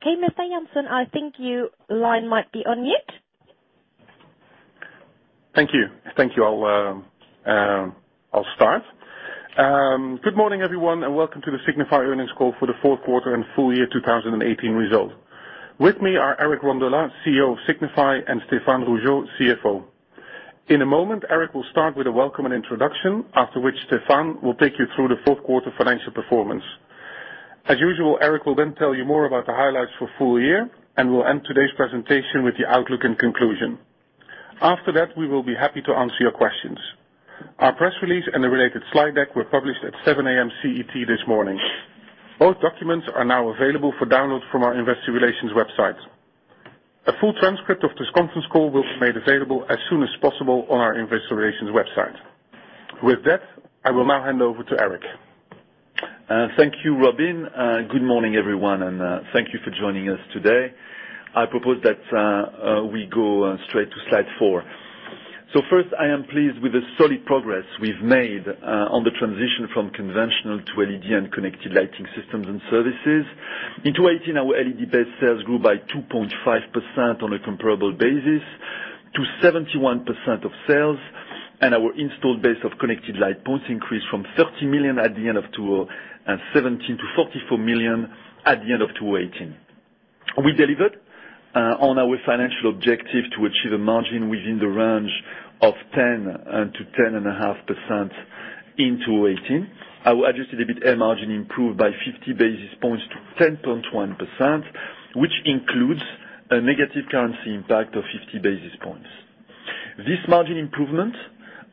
Okay, Mr. Jansen, I think your line might be on mute. Thank you. I'll start. Good morning, everyone, and welcome to the Signify earnings call for the fourth quarter and full year 2018 result. With me are Eric Rondolat, CEO of Signify, and Stéphane Rougeot, CFO. In a moment, Eric will start with a welcome and introduction, after which Stéphane will take you through the fourth quarter financial performance. As usual, Eric will then tell you more about the highlights for full year, and we'll end today's presentation with the outlook and conclusion. After that, we will be happy to answer your questions. Our press release and the related slide deck were published at 7:00 A.M. CET this morning. Both documents are now available for download from our investor relations website. A full transcript of this conference call will be made available as soon as possible on our investor relations website. With that, I will now hand over to Eric. Thank you, Robin. Good morning, everyone, and thank you for joining us today. I propose that we go straight to slide four. First, I am pleased with the solid progress we've made on the transition from conventional to LED and connected lighting systems and services. In 2018, our LED-based sales grew by 2.5% on a comparable basis to 71% of sales, and our installed base of connected light points increased from 30 million at the end of 2017 to 44 million at the end of 2018. We delivered on our financial objective to achieve a margin within the range of 10%-10.5% in 2018. Our adjusted EBITA margin improved by 50 basis points to 10.1%, which includes a negative currency impact of 50 basis points. This margin improvement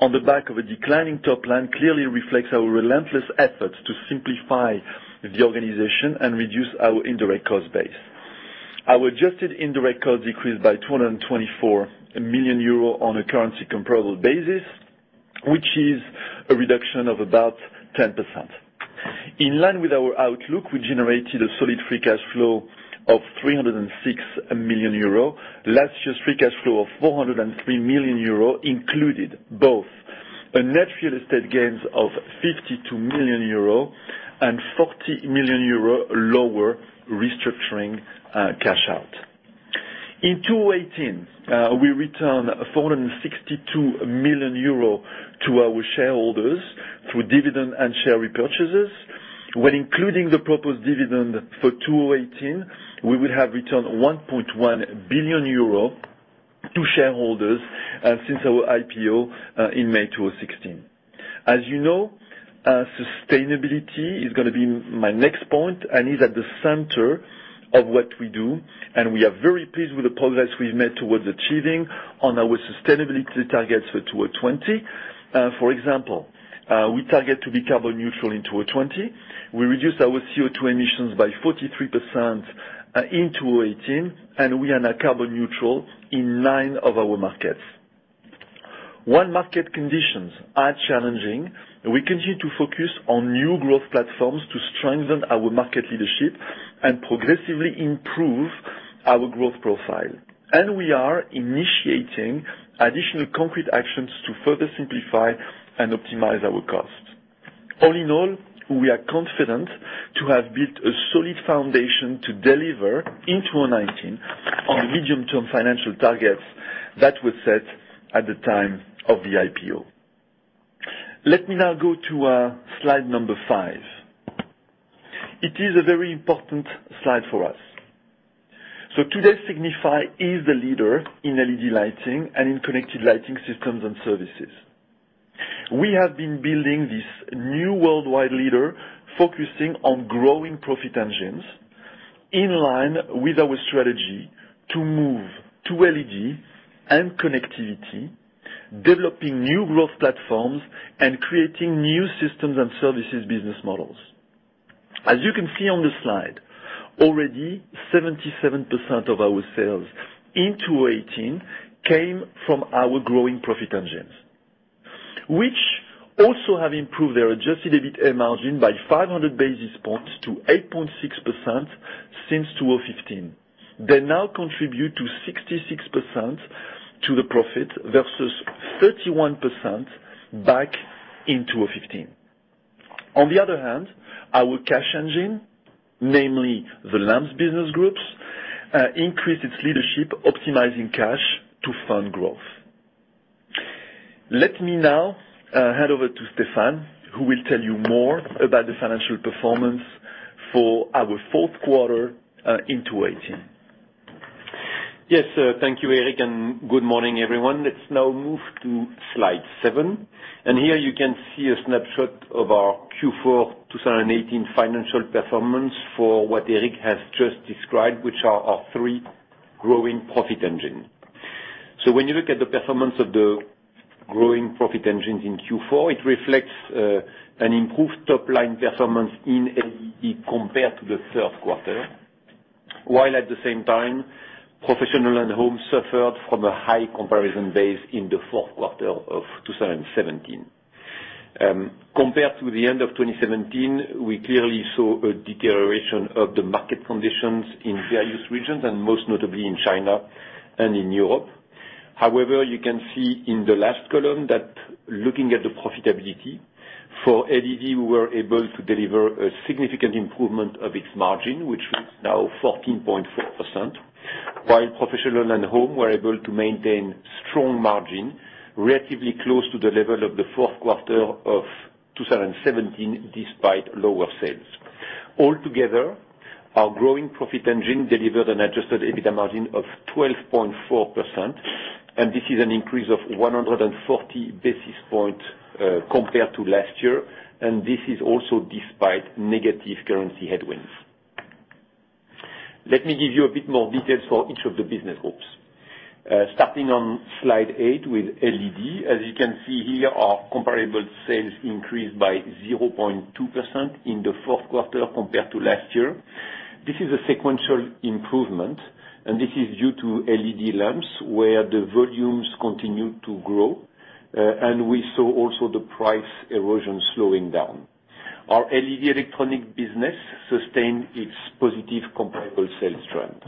on the back of a declining top line clearly reflects our relentless efforts to simplify the organization and reduce our indirect cost base. Our adjusted indirect costs decreased by 224 million euro on a currency comparable basis, which is a reduction of about 10%. In line with our outlook, we generated a solid free cash flow of 306 million euro. Last year's free cash flow of 403 million euro included both a net real estate gains of 52 million euro and 40 million euro lower restructuring cash out. In 2018, we returned 462 million euro to our shareholders through dividend and share repurchases. When including the proposed dividend for 2018, we will have returned 1.1 billion euro to shareholders, since our IPO in May 2016. As you know, sustainability is going to be my next point and is at the center of what we do, and we are very pleased with the progress we have made towards achieving on our sustainability targets for 2020. For example, we target to be carbon neutral in 2020. We reduced our CO2 emissions by 43% in 2018, and we are now carbon neutral in nine of our markets. While market conditions are challenging, we continue to focus on new growth platforms to strengthen our market leadership and progressively improve our growth profile. We are initiating additional concrete actions to further simplify and optimize our costs. All in all, we are confident to have built a solid foundation to deliver in 2019 on the medium-term financial targets that were set at the time of the IPO. Let me now go to slide number five. It is a very important slide for us. Today, Signify is the leader in LED lighting and in connected lighting systems and services. We have been building this new worldwide leader focusing on growing profit engines in line with our strategy to move to LED and connectivity, developing new growth platforms, and creating new systems and services business models. As you can see on the slide, already 77% of our sales in 2018 came from our growing profit engines, which also have improved their adjusted EBITA margin by 500 basis points to 8.6% since 2015. They now contribute to 66% to the profit versus 31% back in 2015. On the other hand, our cash engine, namely the lamps business groups, increased its leadership, optimizing cash to fund growth. Let me now hand over to Stéphane, who will tell you more about the financial performance for our fourth quarter in 2018. Yes. Thank you, Eric, and good morning, everyone. Let's now move to slide seven. Here you can see a snapshot of our Q4 2018 financial performance for what Eric has just described, which are our three growing profit engines. When you look at the performance of the growing profit engines in Q4, it reflects an improved top-line performance in LED compared to the third quarter, while at the same time, professional and home suffered from a high comparison base in the fourth quarter of 2017. Compared to the end of 2017, we clearly saw a deterioration of the market conditions in various regions, and most notably in China and in Europe. You can see in the last column that looking at the profitability for LED, we were able to deliver a significant improvement of its margin, which is now 14.4%, while professional and home were able to maintain strong margin, relatively close to the level of the fourth quarter of 2017, despite lower sales. All together, our growing profit engine delivered an adjusted EBITA margin of 12.4%. This is an increase of 140 basis points compared to last year, and this is also despite negative currency headwinds. Let me give you a bit more details for each of the business groups. Starting on slide eight with LED. As you can see here, our comparable sales increased by 0.2% in the fourth quarter compared to last year. This is a sequential improvement, and this is due to LED lamps, where the volumes continue to grow. We saw also the price erosion slowing down. Our LED electronic business sustained its positive comparable sales trend.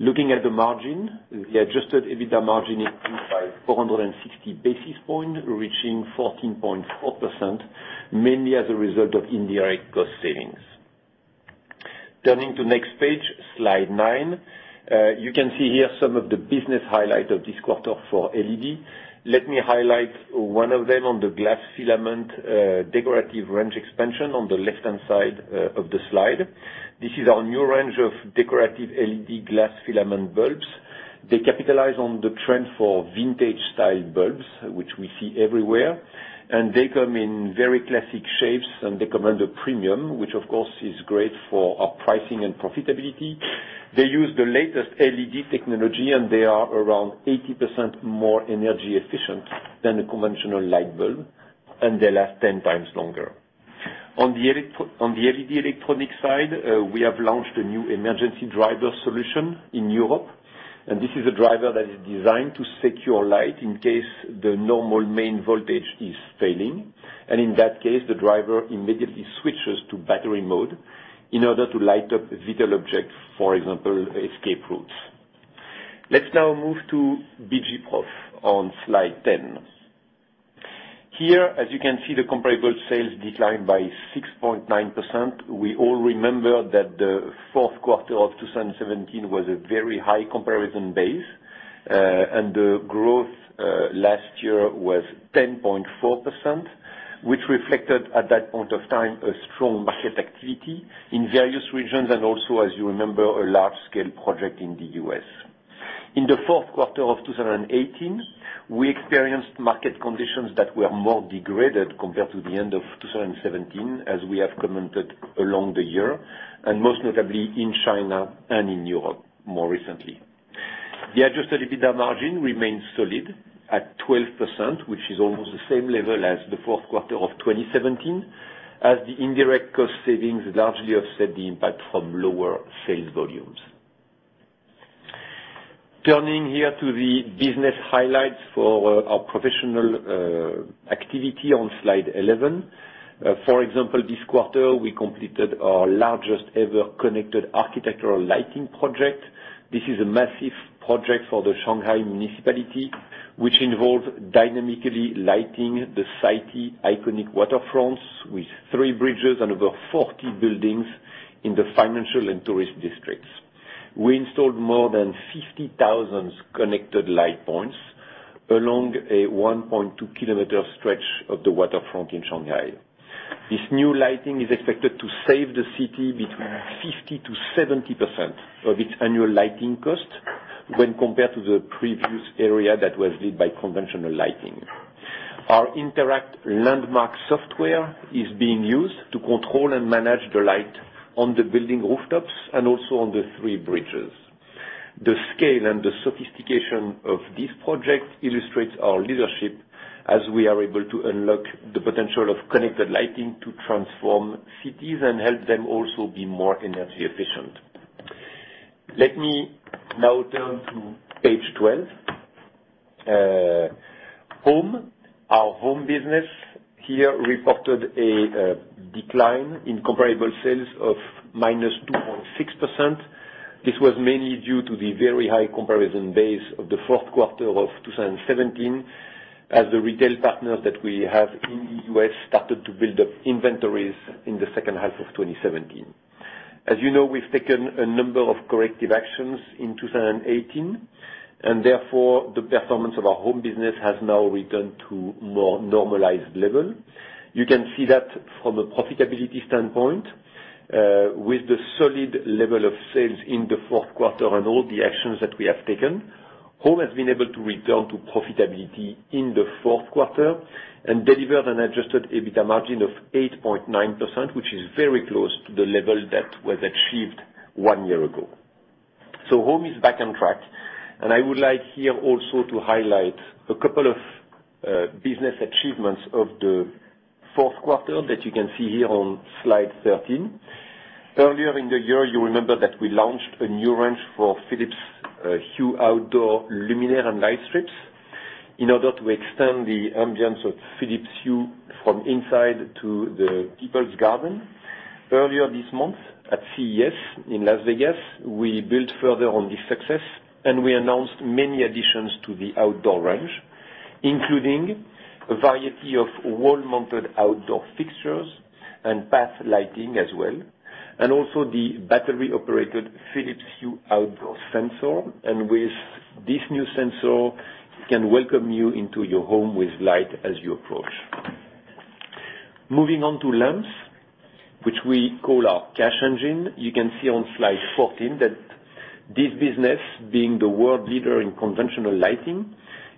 Looking at the margin, the adjusted EBITA margin increased by 460 basis points, reaching 14.4%, mainly as a result of indirect cost savings. Turning to next page, slide nine. You can see here some of the business highlight of this quarter for LED. Let me highlight one of them on the glass filament decorative range expansion on the left-hand side of the slide. This is our new range of decorative LED glass filament bulbs. They capitalize on the trend for vintage style bulbs, which we see everywhere. They come in very classic shapes, and they command a premium, which of course, is great for our pricing and profitability. They use the latest LED technology. They are around 80% more energy efficient than a conventional light bulb, and they last 10 times longer. On the LED electronic side, we have launched a new emergency driver solution in Europe. This is a driver that is designed to secure light in case the normal main voltage is failing. In that case, the driver immediately switches to battery mode in order to light up vital objects, for example, escape routes. Let's now move to BG Prof on slide 10. Here, as you can see, the comparable sales declined by 6.9%. We all remember that the fourth quarter of 2017 was a very high comparison base. The growth last year was 10.4%, which reflected at that point of time, a strong market activity in various regions, and also, as you remember, a large-scale project in the U.S. In the fourth quarter of 2018, we experienced market conditions that were more degraded compared to the end of 2017, as we have commented along the year, and most notably in China and in Europe more recently. The adjusted EBITA margin remains solid at 12%, which is almost the same level as the fourth quarter of 2017, as the indirect cost savings largely offset the impact from lower sales volumes. Turning here to the business highlights for our professional activity on slide 11. For example, this quarter, we completed our largest ever connected architectural lighting project. This is a massive project for the Shanghai municipality, which involved dynamically lighting the city iconic waterfronts with three bridges and over 40 buildings in the financial and tourist districts. We installed more than 50,000 connected light points along a 1.2 km stretch of the waterfront in Shanghai. This new lighting is expected to save the city between 50%-70% of its annual lighting cost when compared to the previous area that was lit by conventional lighting. Our Interact Landmark software is being used to control and manage the light on the building rooftops and also on the three bridges. The scale and the sophistication of this project illustrates our leadership as we are able to unlock the potential of connected lighting to transform cities and help them also be more energy efficient. Let me now turn to page 12. Home. Our home business here reported a decline in comparable sales of -2.6%. This was mainly due to the very high comparison base of the fourth quarter of 2017, as the retail partners that we have in the U.S. started to build up inventories in the second half of 2017. As you know, we've taken a number of corrective actions in 2018. Therefore, the performance of our home business has now returned to more normalized level. You can see that from a profitability standpoint, with the solid level of sales in the fourth quarter and all the actions that we have taken, home has been able to return to profitability in the fourth quarter and deliver an adjusted EBITA margin of 8.9%, which is very close to the level that was achieved one year ago. Home is back on track, I would like here also to highlight a couple of business achievements of the fourth quarter that you can see here on slide 13. Earlier in the year, you remember that we launched a new range for Philips Hue outdoor luminaire and light strips. In order to extend the ambience of Philips Hue from inside to the people's garden, earlier this month at CES in Las Vegas, we built further on this success and we announced many additions to the outdoor range, including a variety of wall-mounted outdoor fixtures and path lighting as well, and also the battery-operated Philips Hue outdoor sensor. With this new sensor, it can welcome you into your home with light as you approach. Moving on to lamps, which we call our cash engine. You can see on slide 14 that this business, being the world leader in conventional lighting,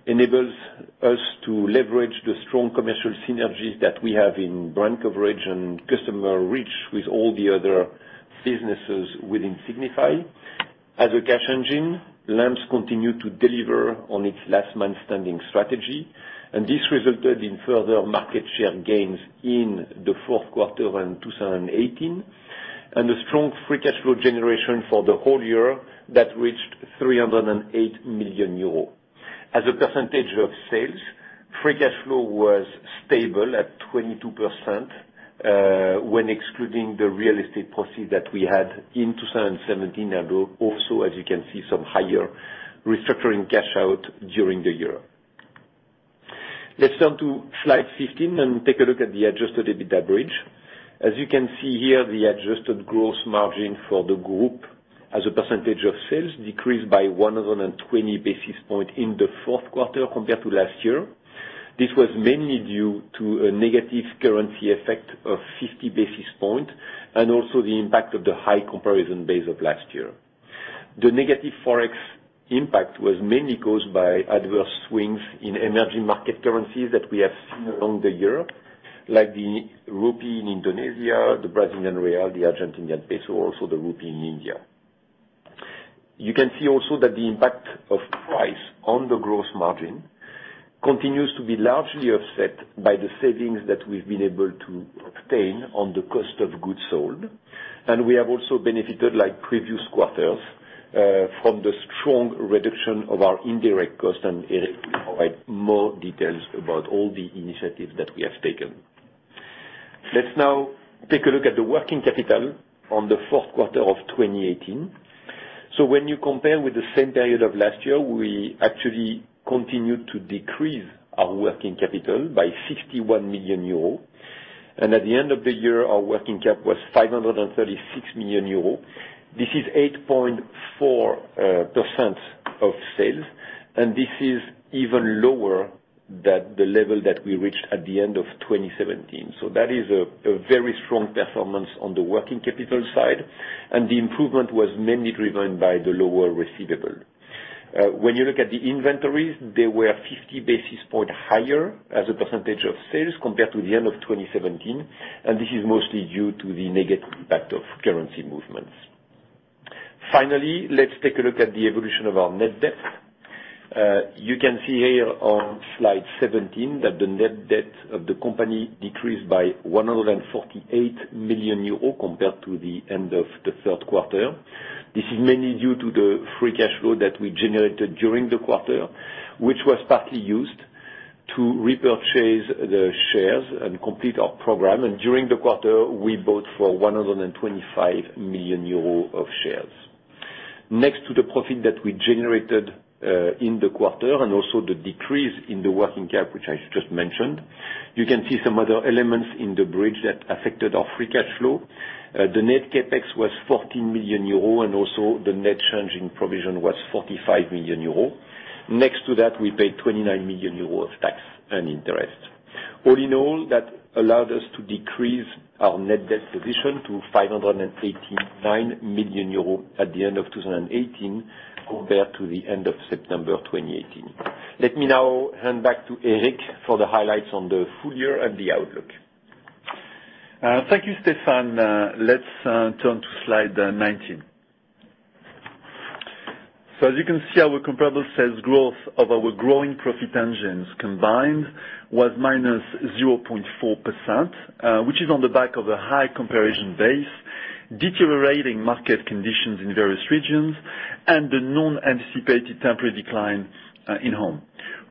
enables us to leverage the strong commercial synergies that we have in brand coverage and customer reach with all the other businesses within Signify. As a cash engine, lamps continue to deliver on its last man standing strategy. This resulted in further market share gains in the fourth quarter in 2018, a strong free cash flow generation for the whole year that reached 308 million euro. As a percentage of sales, free cash flow was stable at 22% when excluding the real estate proceeds that we had in 2017, although also, as you can see, some higher restructuring cash out during the year. Let's turn to slide 15 and take a look at the adjusted EBITA bridge. As you can see here, the adjusted gross margin for the group as a percentage of sales decreased by 120 basis points in the fourth quarter compared to last year. This was mainly due to a negative currency effect of 50 basis points and also the impact of the high comparison base of last year. The negative Forex impact was mainly caused by adverse swings in emerging market currencies that we have seen along the year, like the rupee in Indonesia, the Brazilian real, the Argentinian peso, also the rupee in India. You can see also that the impact of price on the growth margin continues to be largely offset by the savings that we've been able to obtain on the cost of goods sold. We have also benefited, like previous quarters, from the strong reduction of our indirect cost. Eric will provide more details about all the initiatives that we have taken. Let's now take a look at the working capital on the fourth quarter of 2018. When you compare with the same period of last year, we actually continued to decrease our working capital by 61 million euro. At the end of the year, our working cap was 536 million euro. This is 8.4% of sales, and this is even lower than the level that we reached at the end of 2017. That is a very strong performance on the working capital side, and the improvement was mainly driven by the lower receivable. When you look at the inventories, they were 50 basis points higher as a percentage of sales compared to the end of 2017, and this is mostly due to the negative impact of currency movements. Finally, let's take a look at the evolution of our net debt. You can see here on slide 17 that the net debt of the company decreased by 148 million euros compared to the end of the third quarter. This is mainly due to the free cash flow that we generated during the quarter, which was partly used to repurchase the shares and complete our program. During the quarter, we bought for 125 million euros of shares. Next to the profit that we generated in the quarter and also the decrease in the working cap, which I just mentioned, you can see some other elements in the bridge that affected our free cash flow. The net CapEx was 40 million euro, and also the net change in provision was 45 million euro. Next to that, we paid 29 million euro of tax and interest. All in all, that allowed us to decrease our net debt position to 589 million euros at the end of 2018 compared to the end of September 2018. Let me now hand back to Eric for the highlights on the full year and the outlook. Thank you, Stéphane. Let's turn to slide 19. As you can see, our comparable sales growth of our growing profit engines combined was -0.4%, which is on the back of a high comparison base, deteriorating market conditions in various regions, and the non-anticipated temporary decline in Home.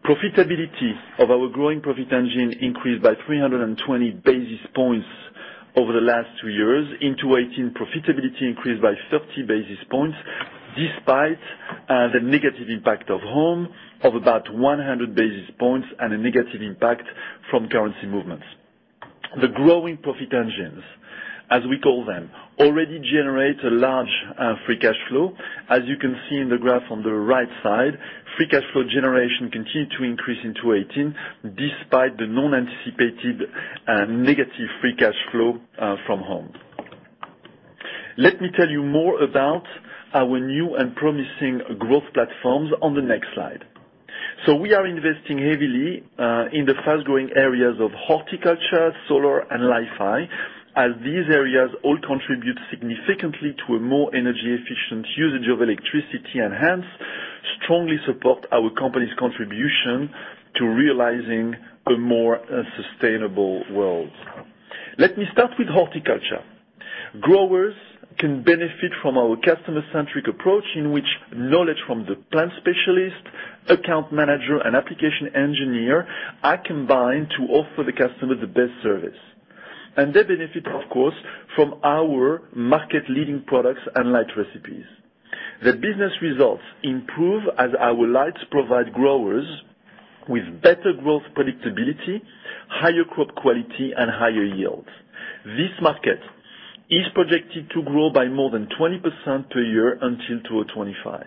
Profitability of our growing profit engine increased by 320 basis points over the last two years. In 2018, profitability increased by 30 basis points despite the negative impact of Home of about 100 basis points and a negative impact from currency movements. The growing profit engines, as we call them, already generate a large free cash flow. As you can see in the graph on the right side, free cash flow generation continued to increase in 2018 despite the non-anticipated negative free cash flow from Home. Let me tell you more about our new and promising growth platforms on the next slide. We are investing heavily in the fast-growing areas of horticulture, solar, and Li-Fi, as these areas all contribute significantly to a more energy efficient usage of electricity and hence strongly support our company's contribution to realizing a more sustainable world. Let me start with horticulture. Growers can benefit from our customer-centric approach, in which knowledge from the plant specialist, account manager, and application engineer are combined to offer the customer the best service. They benefit, of course, from our market-leading products and light recipes. The business results improve as our lights provide growers with better growth predictability, higher crop quality, and higher yields. This market is projected to grow by more than 20% per year until 2025.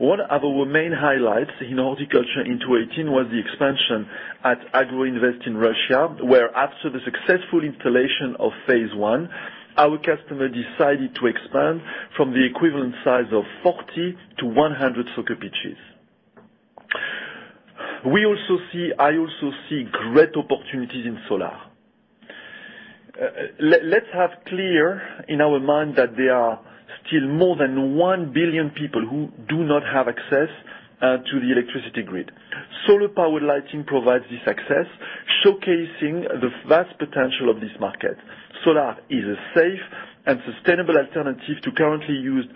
One of our main highlights in horticulture in 2018 was the expansion at Agro-Invest in Russia, where after the successful installation of phase one, our customer decided to expand from the equivalent size of 40-100 soccer pitches. I also see great opportunities in solar. Let's have clear in our mind that there are still more than 1 billion people who do not have access to the electricity grid. Solar-powered lighting provides this access, showcasing the vast potential of this market. Solar is a safe and sustainable alternative to currently used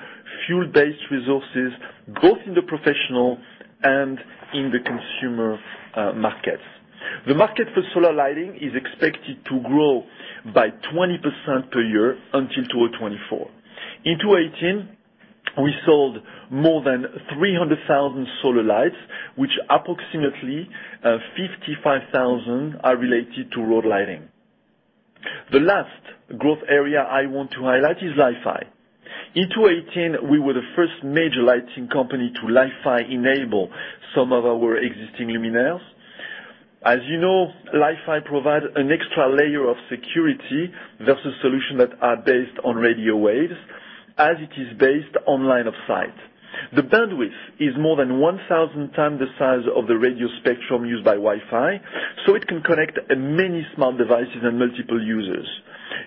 fuel-based resources, both in the professional and in the consumer markets. The market for solar lighting is expected to grow by 20% per year until 2024. In 2018, we sold more than 300,000 solar lights, which approximately 55,000 are related to road lighting. The last growth area I want to highlight is Li-Fi. In 2018, we were the first major lighting company to Li-Fi enable some of our existing luminaires. As you know, Li-Fi provides an extra layer of security versus solutions that are based on radio waves, as it is based on line of sight. The bandwidth is more than 1,000 times the size of the radio spectrum used by Wi-Fi, so it can connect many smart devices and multiple users.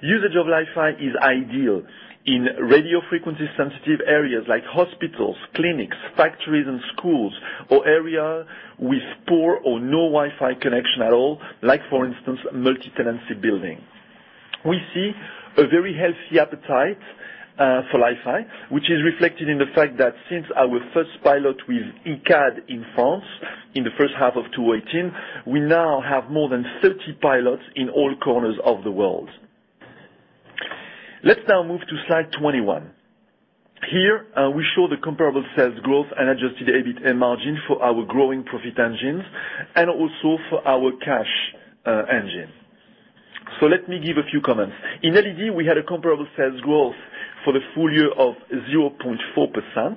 Usage of Li-Fi is ideal in radio frequency sensitive areas like hospitals, clinics, factories, and schools, or areas with poor or no Wi-Fi connection at all. Like for instance, multi-tenancy buildings. We see a very healthy appetite for Li-Fi, which is reflected in the fact that since our first pilot with Icade in France in the first half of 2018, we now have more than 30 pilots in all corners of the world. Let's now move to slide 21. Here, we show the comparable sales growth and adjusted EBITA margin for our growing profit engines, and also for our cash engine. Let me give a few comments. In LED, we had a comparable sales growth for the full year of 0.4%.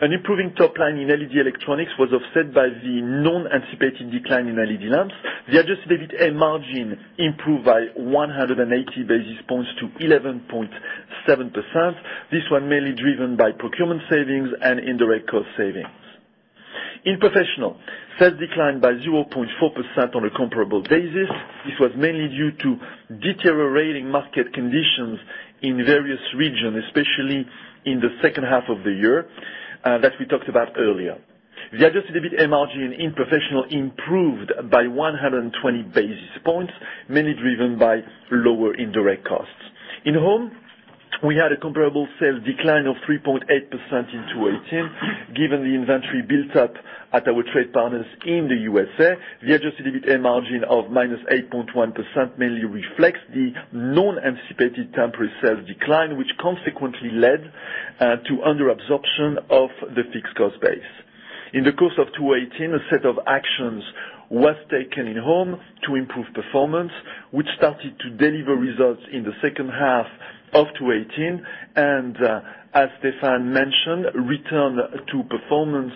An improving top line in LED electronics was offset by the non-anticipated decline in LED lamps. The adjusted EBITA margin improved by 180 basis points to 11.7%. This was mainly driven by procurement savings and indirect cost savings. In Professional, sales declined by 0.4% on a comparable basis. This was mainly due to deteriorating market conditions in various regions, especially in the second half of the year that we talked about earlier. The adjusted EBITA margin in Professional improved by 120 basis points, mainly driven by lower indirect costs. In Home, we had a comparable sales decline of 3.8% in 2018. Given the inventory built up at our trade partners in the U.S.A., the adjusted EBITA margin of -8.1% mainly reflects the non-anticipated temporary sales decline, which consequently led to under absorption of the fixed cost base. In the course of 2018, a set of actions was taken in Home to improve performance, which started to deliver results in the second half of 2018, and as Stéphane mentioned, return to performance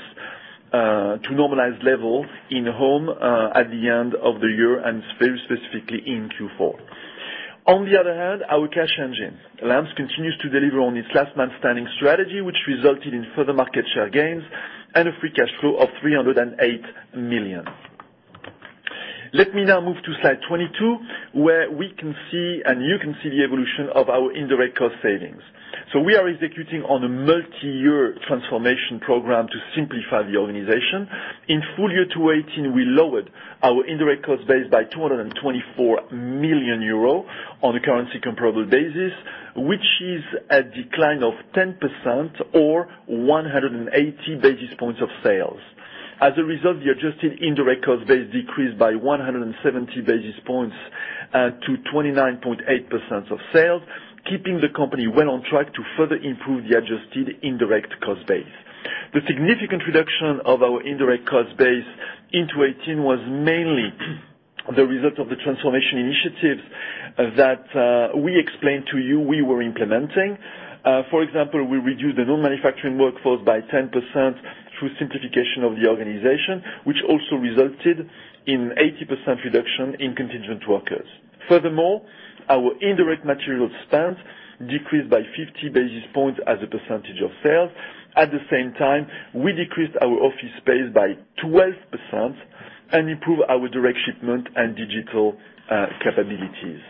to normalized level in Home at the end of the year, and very specifically in Q4. On the other hand, our cash engine. Lamps continues to deliver on its last man standing strategy, which resulted in further market share gains and a free cash flow of 308 million. Let me now move to slide 22, where we can see the evolution of our indirect cost savings. We are executing on a multi-year transformation program to simplify the organization. In full year 2018, we lowered our indirect cost base by 224 million euro on a currency comparable basis, which is a decline of 10% or 180 basis points of sales. As a result, the adjusted indirect cost base decreased by 170 basis points to 29.8% of sales, keeping the company well on track to further improve the adjusted indirect cost base. The significant reduction of our indirect cost base in 2018 was mainly the result of the transformation initiatives that we explained to you we were implementing. For example, we reduced the non-manufacturing workforce by 10% through simplification of the organization, which also resulted in 80% reduction in contingent workers. Furthermore, our indirect material spend decreased by 50 basis points as a percentage of sales. At the same time, we decreased our office space by 12% and improved our direct shipment and digital capabilities.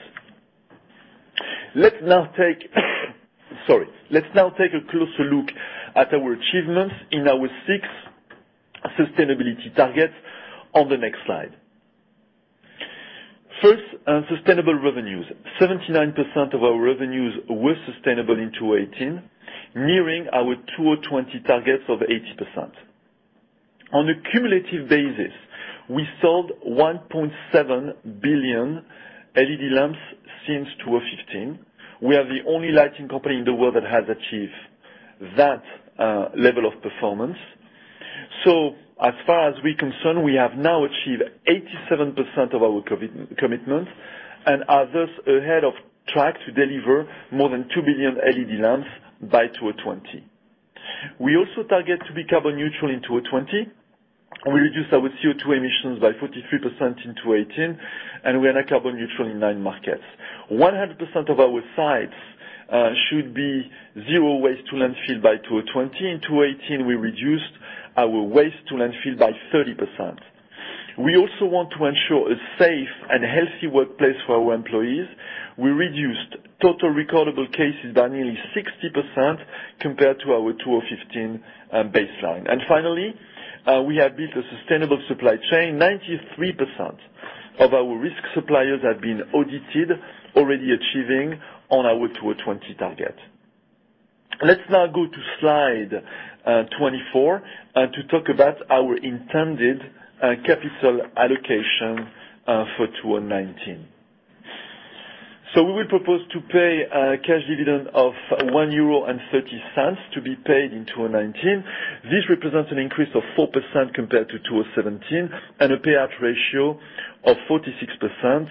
Let's now take a closer look at our achievements in our six sustainability targets on the next slide. First, sustainable revenues. 79% of our revenues were sustainable in 2018, nearing our 2020 targets of 80%. On a cumulative basis, we sold 1.7 billion LED lamps since 2015. We are the only lighting company in the world that has achieved that level of performance. As far as we're concerned, we have now achieved 87% of our commitment and are thus ahead of track to deliver more than 2 billion LED lamps by 2020. We also target to be carbon neutral in 2020. We reduced our CO2 emissions by 43% in 2018, and we are now carbon neutral in nine markets. 100% of our sites should be zero waste to landfill by 2020. In 2018, we reduced our waste to landfill by 30%. We also want to ensure a safe and healthy workplace for our employees. We reduced total recordable cases by nearly 60% compared to our 2015 baseline. Finally, we have built a sustainable supply chain. 93% of our risk suppliers have been audited, already achieving on our 2020 target. Let's now go to slide 24 to talk about our intended capital allocation for 2019. We will propose to pay a cash dividend of 1.30 euro to be paid in 2019. This represents an increase of 4% compared to 2017, and a payout ratio of 46%,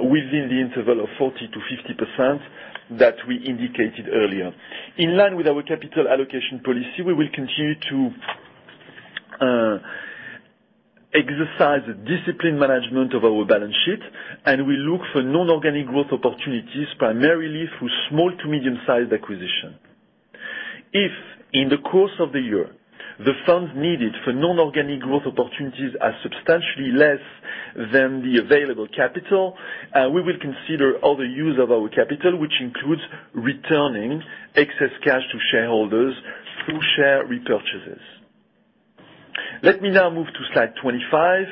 within the interval of 40%-50% that we indicated earlier. In line with our capital allocation policy, we will continue to exercise disciplined management of our balance sheet. We look for non-organic growth opportunities, primarily through small to medium-sized acquisition. If in the course of the year, the funds needed for non-organic growth opportunities are substantially less than the available capital, we will consider other use of our capital, which includes returning excess cash to shareholders through share repurchases. Let me now move to slide 25,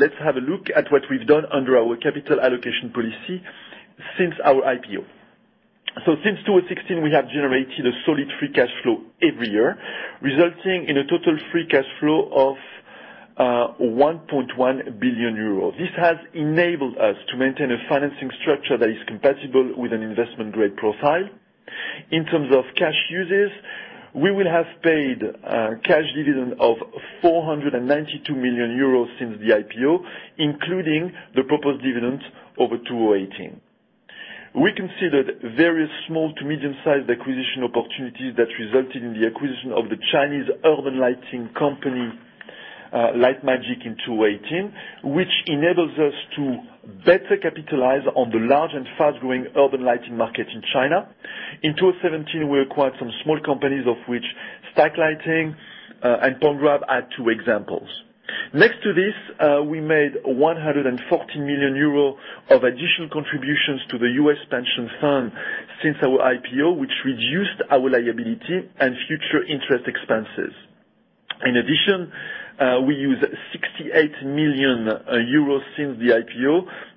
let's have a look at what we've done under our capital allocation policy since our IPO. Since 2016, we have generated a solid free cash flow every year, resulting in a total free cash flow of 1.1 billion euros. This has enabled us to maintain a financing structure that is compatible with an investment-grade profile. In terms of cash uses, we will have paid a cash dividend of 492 million euros since the IPO, including the proposed dividends over 2018. We considered various small to medium-sized acquisition opportunities that resulted in the acquisition of the Chinese urban lighting company, LiteMagic, in 2018, which enables us to better capitalize on the large and fast-growing urban lighting market in China. In 2017, we acquired some small companies, of which Stack Lighting and PointGrab are two examples. Next to this, we made 140 million euro of additional contributions to the U.S. pension fund since our IPO, which reduced our liability and future interest expenses. In addition, we used 68 million euros since the IPO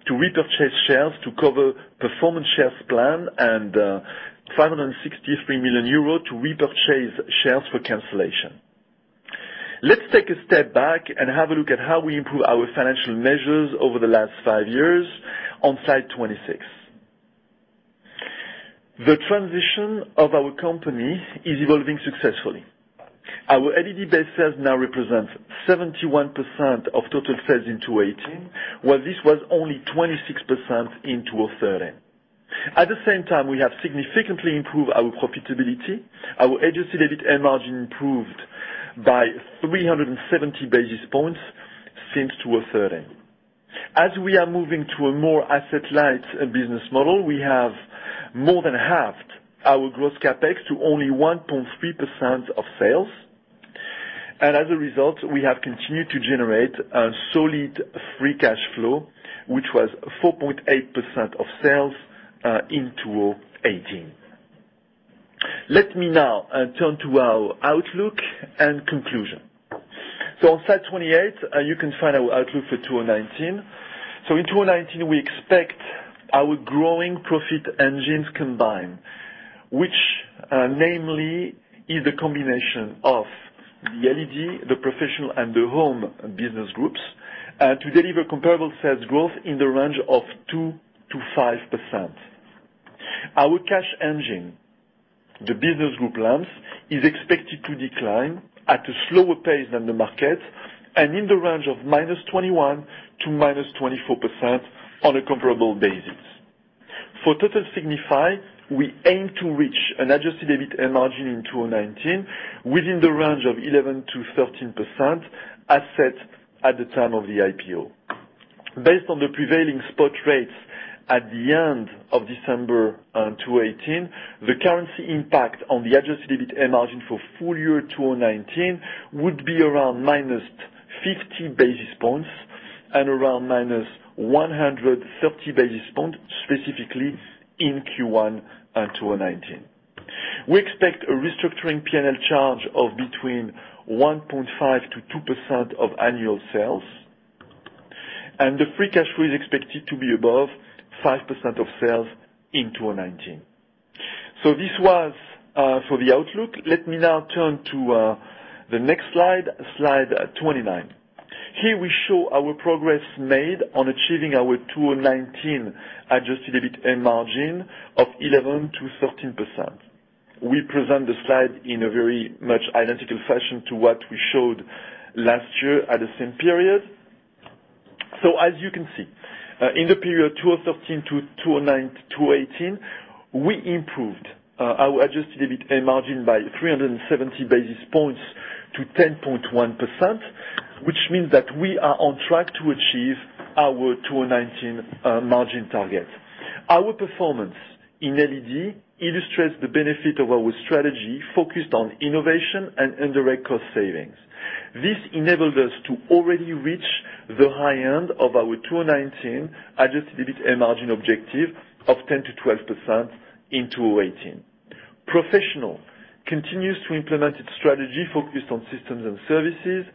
to repurchase shares to cover performance shares plan and 563 million euro to repurchase shares for cancellation. Let's take a step back and have a look at how we improved our financial measures over the last five years on slide 26. The transition of our company is evolving successfully. Our LED-based sales now represents 71% of total sales in 2018, while this was only 26% in 2013. At the same time, we have significantly improved our profitability. Our adjusted EBITA margin improved by 370 basis points since 2013. As we are moving to a more asset-light business model, we have more than halved our gross CapEx to only 1.3% of sales. As a result, we have continued to generate a solid free cash flow, which was 4.8% of sales in 2018. Let me now turn to our outlook and conclusion. On slide 28, you can find our outlook for 2019. In 2019, we expect our growing profit engines combined, which namely is a combination of the LED, the professional, and the home business groups, to deliver comparable sales growth in the range of 2%-5%. Our cash engine, the business group lamps, is expected to decline at a slower pace than the market and in the range of -21% to -24% on a comparable basis. For total Signify, we aim to reach an adjusted EBITA margin in 2019 within the range of 11%-13% as set at the time of the IPO. Based on the prevailing spot rates at the end of December 2018, the currency impact on the adjusted EBITA margin for full year 2019 would be around -250 basis points and around -130 basis points specifically in Q1 2019. We expect a restructuring P&L charge of between 1.5%-2% of annual sales. The free cash flow is expected to be above 5% of sales in 2019. This was for the outlook. Let me now turn to the next slide 29. Here we show our progress made on achieving our 2019 adjusted EBITA margin of 11%-13%. We present the slide in a very much identical fashion to what we showed last year at the same period. As you can see, in the period 2013-2018, we improved our adjusted EBITA margin by 370 basis points to 10.1%, which means that we are on track to achieve our 2019 margin target. Our performance in LED illustrates the benefit of our strategy focused on innovation and indirect cost savings. This enabled us to already reach the high end of our 2019 adjusted EBITA margin objective of 10%-12% in 2018. Professional continues to implement its strategy focused on systems and services,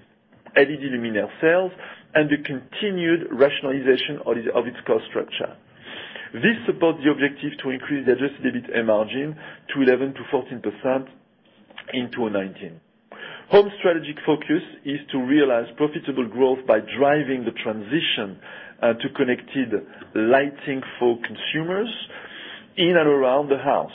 LED luminaire sales, and the continued rationalization of its cost structure. This supports the objective to increase the adjusted EBITA margin to 11%-14% in 2019. Home strategic focus is to realize profitable growth by driving the transition to connected lighting for consumers in and around the house.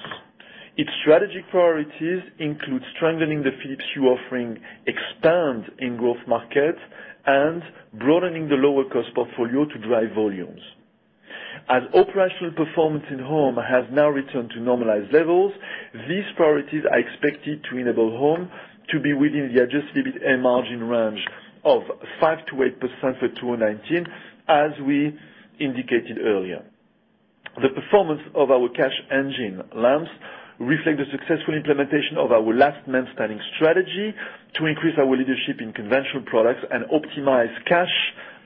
Its strategic priorities include strengthening the Philips Hue offering, expand in growth markets, and broadening the lower cost portfolio to drive volumes. As operational performance in Home has now returned to normalized levels, these priorities are expected to enable Home to be within the adjusted EBITA margin range of 5%-8% for 2019, as we indicated earlier. The performance of our cash engine lamps reflect the successful implementation of our last man standing strategy to increase our leadership in conventional products and optimize cash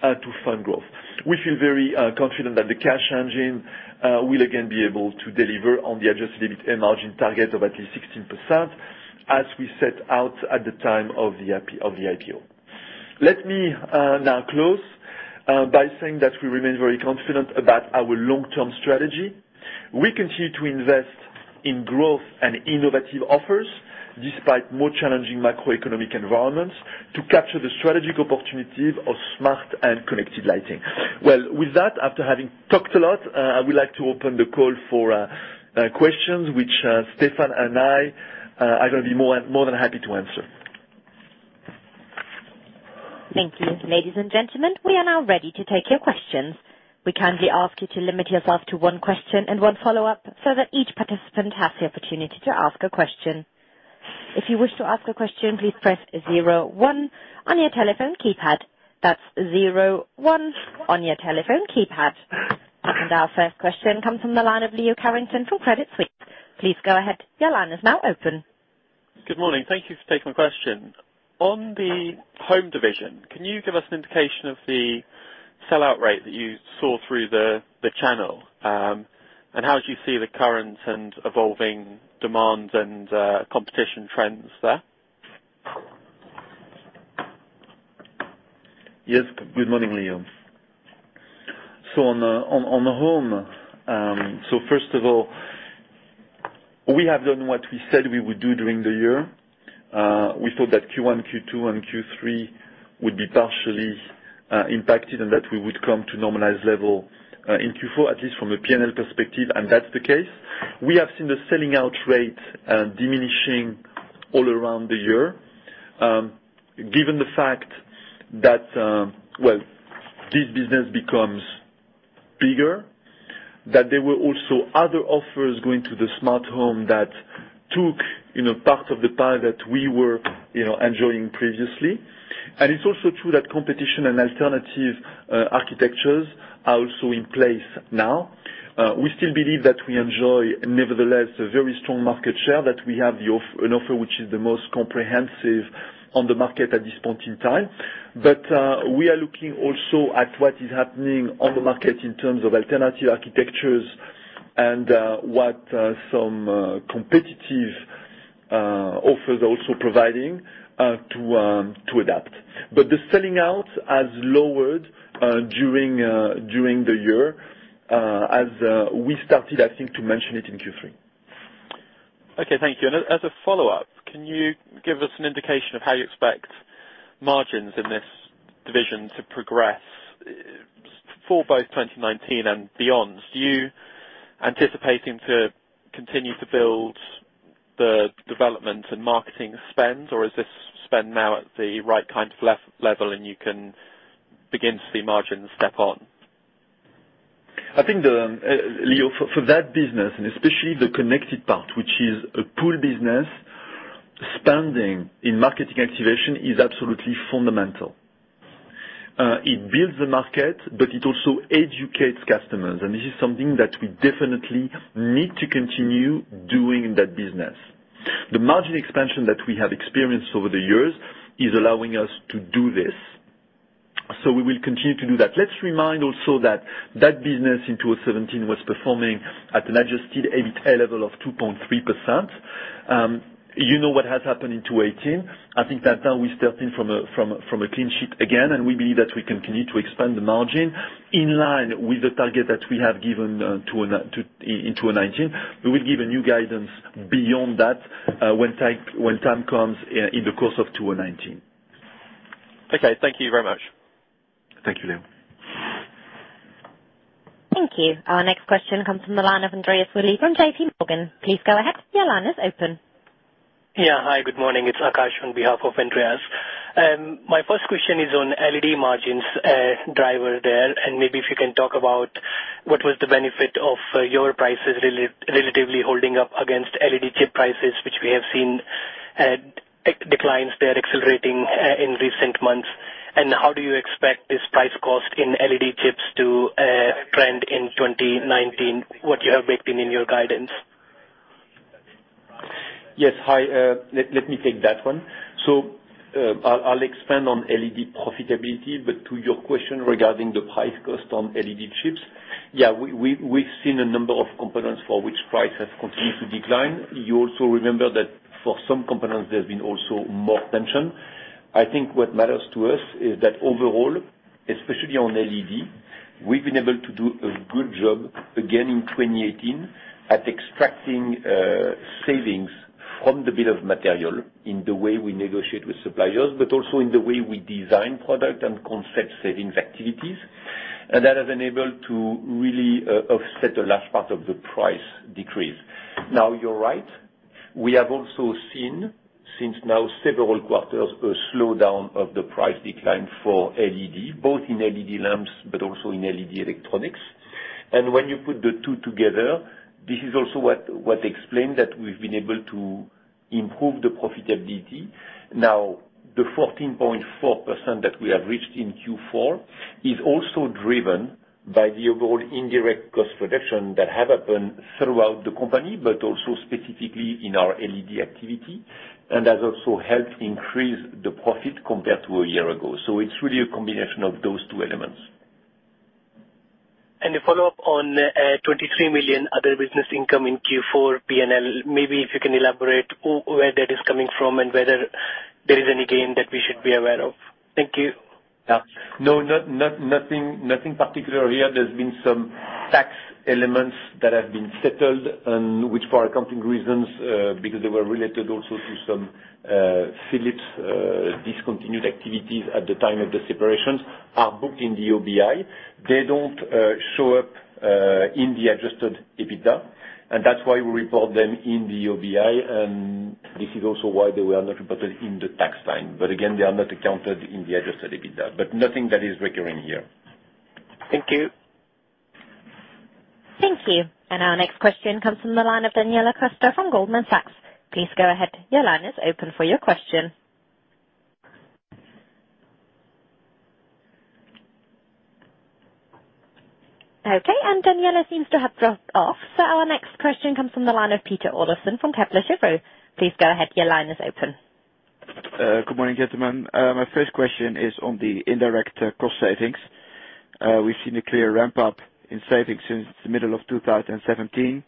to fund growth. We feel very confident that the cash engine will again be able to deliver on the adjusted EBITA margin target of at least 16%, as we set out at the time of the IPO. Let me now close by saying that we remain very confident about our long-term strategy. We continue to invest in growth and innovative offers, despite more challenging macroeconomic environments, to capture the strategic opportunity of smart and connected lighting. Well, with that, after having talked a lot, I would like to open the call for questions which Stéphane and I are going to be more than happy to answer. Thank you. Ladies and gentlemen, we are now ready to take your questions. We kindly ask you to limit yourself to one question and one follow-up so that each participant has the opportunity to ask a question. If you wish to ask a question, please press zero one on your telephone keypad. That's zero one on your telephone keypad. Our first question comes from the line of Leo Carrington from Credit Suisse. Please go ahead. Your line is now open. Good morning. Thank you for taking my question. On the Home division, can you give us an indication of the sellout rate that you saw through the channel? How do you see the current and evolving demand and competition trends there? Yes. Good morning, Leo. On the Home, first of all, we have done what we said we would do during the year. We thought that Q1, Q2, and Q3 would be partially impacted and that we would come to normalized level in Q4, at least from a P&L perspective, and that's the case. We have seen the selling out rate diminishing all around the year. Given the fact that, well, this business becomes bigger, that there were also other offers going to the smart home that took part of the pie that we were enjoying previously. It's also true that competition and alternative architectures are also in place now. We still believe that we enjoy, nevertheless, a very strong market share, that we have an offer which is the most comprehensive on the market at this point in time. We are looking also at what is happening on the market in terms of alternative architectures and what some competitive offers also providing to adapt. The selling out has lowered during the year as we started, I think, to mention it in Q3. Okay, thank you. As a follow-up, can you give us an indication of how you expect margins in this division to progress for both 2019 and beyond? Do you anticipating to continue to build the development and marketing spend, or is this spend now at the right kind of level and you can begin to see margins step on? I think, Leo, for that business, especially the connected part, which is a pull business, spending in marketing activation is absolutely fundamental. It builds the market, it also educates customers. This is something that we definitely need to continue doing in that business. The margin expansion that we have experienced over the years is allowing us to do this. We will continue to do that. Let's remind also that that business in 2017 was performing at an adjusted EBITA level of 2.3%. You know what has happened in 2018. I think that now we step in from a clean sheet again, we believe that we continue to expand the margin in line with the target that we have given in 2019. We will give a new guidance beyond that, when time comes in the course of 2019. Okay. Thank you very much. Thank you, Leo. Thank you. Our next question comes from the line of Andreas Willi from JPMorgan. Please go ahead. Your line is open. Yeah. Hi, good morning. It's Akash on behalf of Andreas. My first question is on LED margins, driver there, and maybe if you can talk about what was the benefit of your prices relatively holding up against LED chip prices, which we have seen declines there accelerating in recent months. How do you expect this price cost in LED chips to trend in 2019, what you have baked in in your guidance? Yes. Hi. Let me take that one. I'll expand on LED profitability, but to your question regarding the price cost on LED chips, yeah, we've seen a number of components for which price has continued to decline. You also remember that for some components, there's been also more tension. I think what matters to us is that overall, especially on LED, we've been able to do a good job again in 2018 at extracting savings from the bill of material in the way we negotiate with suppliers, but also in the way we design product and concept savings activities. That has enabled to really offset a large part of the price decrease. Now, you're right, we have also seen, since now several quarters, a slowdown of the price decline for LED, both in LED lamps but also in LED electronics. When you put the two together, this is also what explained that we've been able to improve the profitability. The 14.4% that we have reached in Q4 is also driven by the overall indirect cost reduction that have happened throughout the company, but also specifically in our LED activity, and has also helped increase the profit compared to a year ago. It's really a combination of those two elements. A follow-up on 23 million other business income in Q4 P&L. Maybe if you can elaborate where that is coming from and whether there is any gain that we should be aware of. Thank you. No, nothing particular here. There's been some tax elements that have been settled and which for accounting reasons, because they were related also to some Philips discontinued activities at the time of the separations, are booked in the OBI. They don't show up in the adjusted EBITA, and that's why we report them in the OBI, and this is also why they were not reported in the tax time. Again, they are not accounted in the adjusted EBITA. Nothing that is recurring here. Thank you. Thank you. Our next question comes from the line of Daniela Costa from Goldman Sachs. Please go ahead. Your line is open for your question. Daniela seems to have dropped off. Our next question comes from the line of Peter Olofsen from Kepler Cheuvreux. Please go ahead. Your line is open. Good morning, gentlemen. My first question is on the indirect cost savings. We've seen a clear ramp-up in savings since the middle of 2017,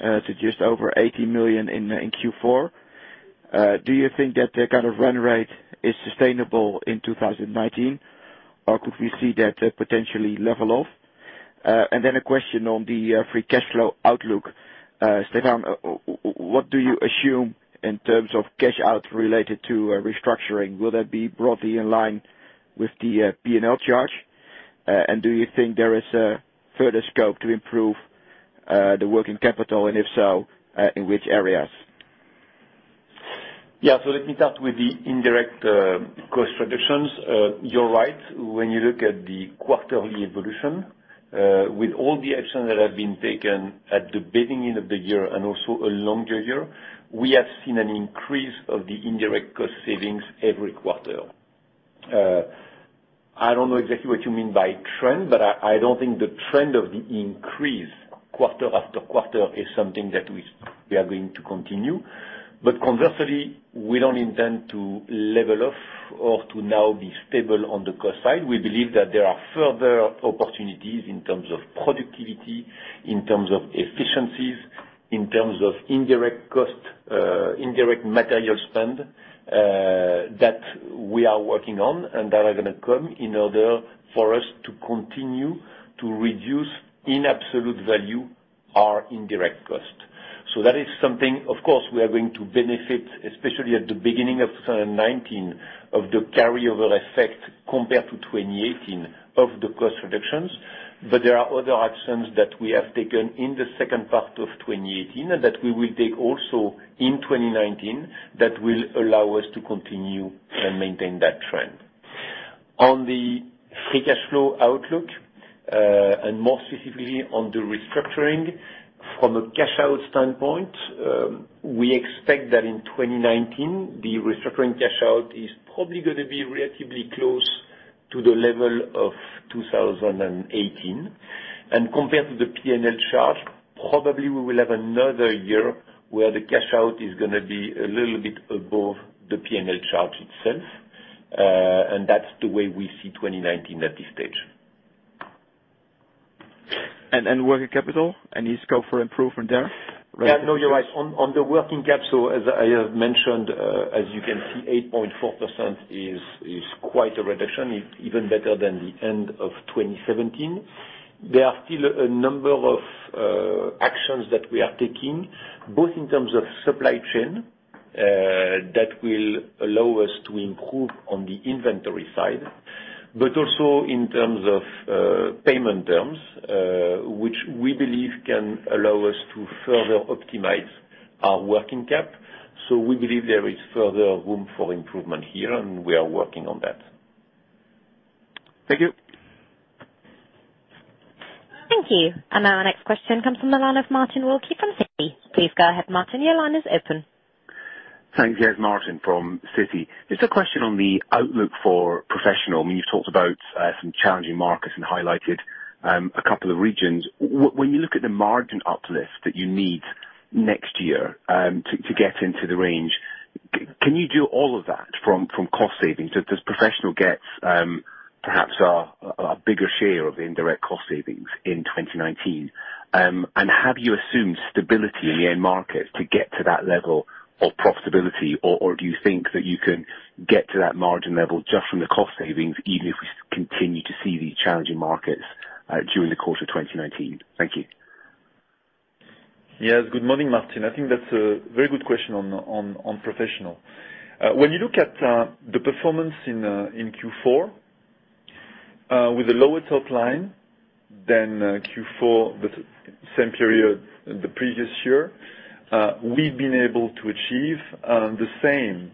to just over 80 million in Q4. Do you think that the kind of run rate is sustainable in 2019, or could we see that potentially level off? A question on the free cash flow outlook. Stéphane, what do you assume in terms of cash out related to restructuring? Will that be broadly in line with the P&L charge? Do you think there is a further scope to improve the working capital, and if so, in which areas? Let me start with the indirect cost reductions. You're right. When you look at the quarterly evolution, with all the action that has been taken at the beginning of the year and also along the year, we have seen an increase of the indirect cost savings every quarter. I don't know exactly what you mean by trend, but I don't think the trend of the increase quarter-after-quarter is something that we are going to continue. Conversely, we don't intend to level off or to now be stable on the cost side. We believe that there are further opportunities in terms of productivity, in terms of efficiencies, in terms of indirect cost, indirect material spend, that we are working on and that are gonna come in order for us to continue to reduce in absolute value our indirect cost. That is something, of course, we are going to benefit, especially at the beginning of 2019, of the carryover effect compared to 2018 of the cost reductions. There are other actions that we have taken in the second part of 2018 and that we will take also in 2019 that will allow us to continue and maintain that trend. On the free cash flow outlook. More specifically on the restructuring from a cash-out standpoint, we expect that in 2019, the restructuring cash out is probably going to be relatively close to the level of 2018. Compared to the P&L charge, probably we will have another year where the cash out is going to be a little bit above the P&L charge itself. That's the way we see 2019 at this stage. Working capital, any scope for improvement there? You're right. On the working capital, as I have mentioned, as you can see, 8.4% is quite a reduction, even better than the end of 2017. There are still a number of actions that we are taking, both in terms of supply chain that will allow us to improve on the inventory side, but also in terms of payment terms, which we believe can allow us to further optimize our working cap. We believe there is further room for improvement here, and we are working on that. Thank you. Thank you. Our next question comes from the line of Martin Wilkie from Citi. Please go ahead, Martin. Your line is open. Thanks. Yes, Martin from Citi. Just a question on the outlook for Professional. You've talked about some challenging markets and highlighted a couple of regions. When you look at the margin uplift that you need next year to get into the range, can you do all of that from cost savings? Does Professional get perhaps a bigger share of indirect cost savings in 2019? Have you assumed stability in the end market to get to that level of profitability? Do you think that you can get to that margin level just from the cost savings, even if we continue to see these challenging markets during the course of 2019? Thank you. Yes. Good morning, Martin. I think that's a very good question on Professional. When you look at the performance in Q4, with a lower top line than Q4 the same period the previous year, we've been able to achieve the same,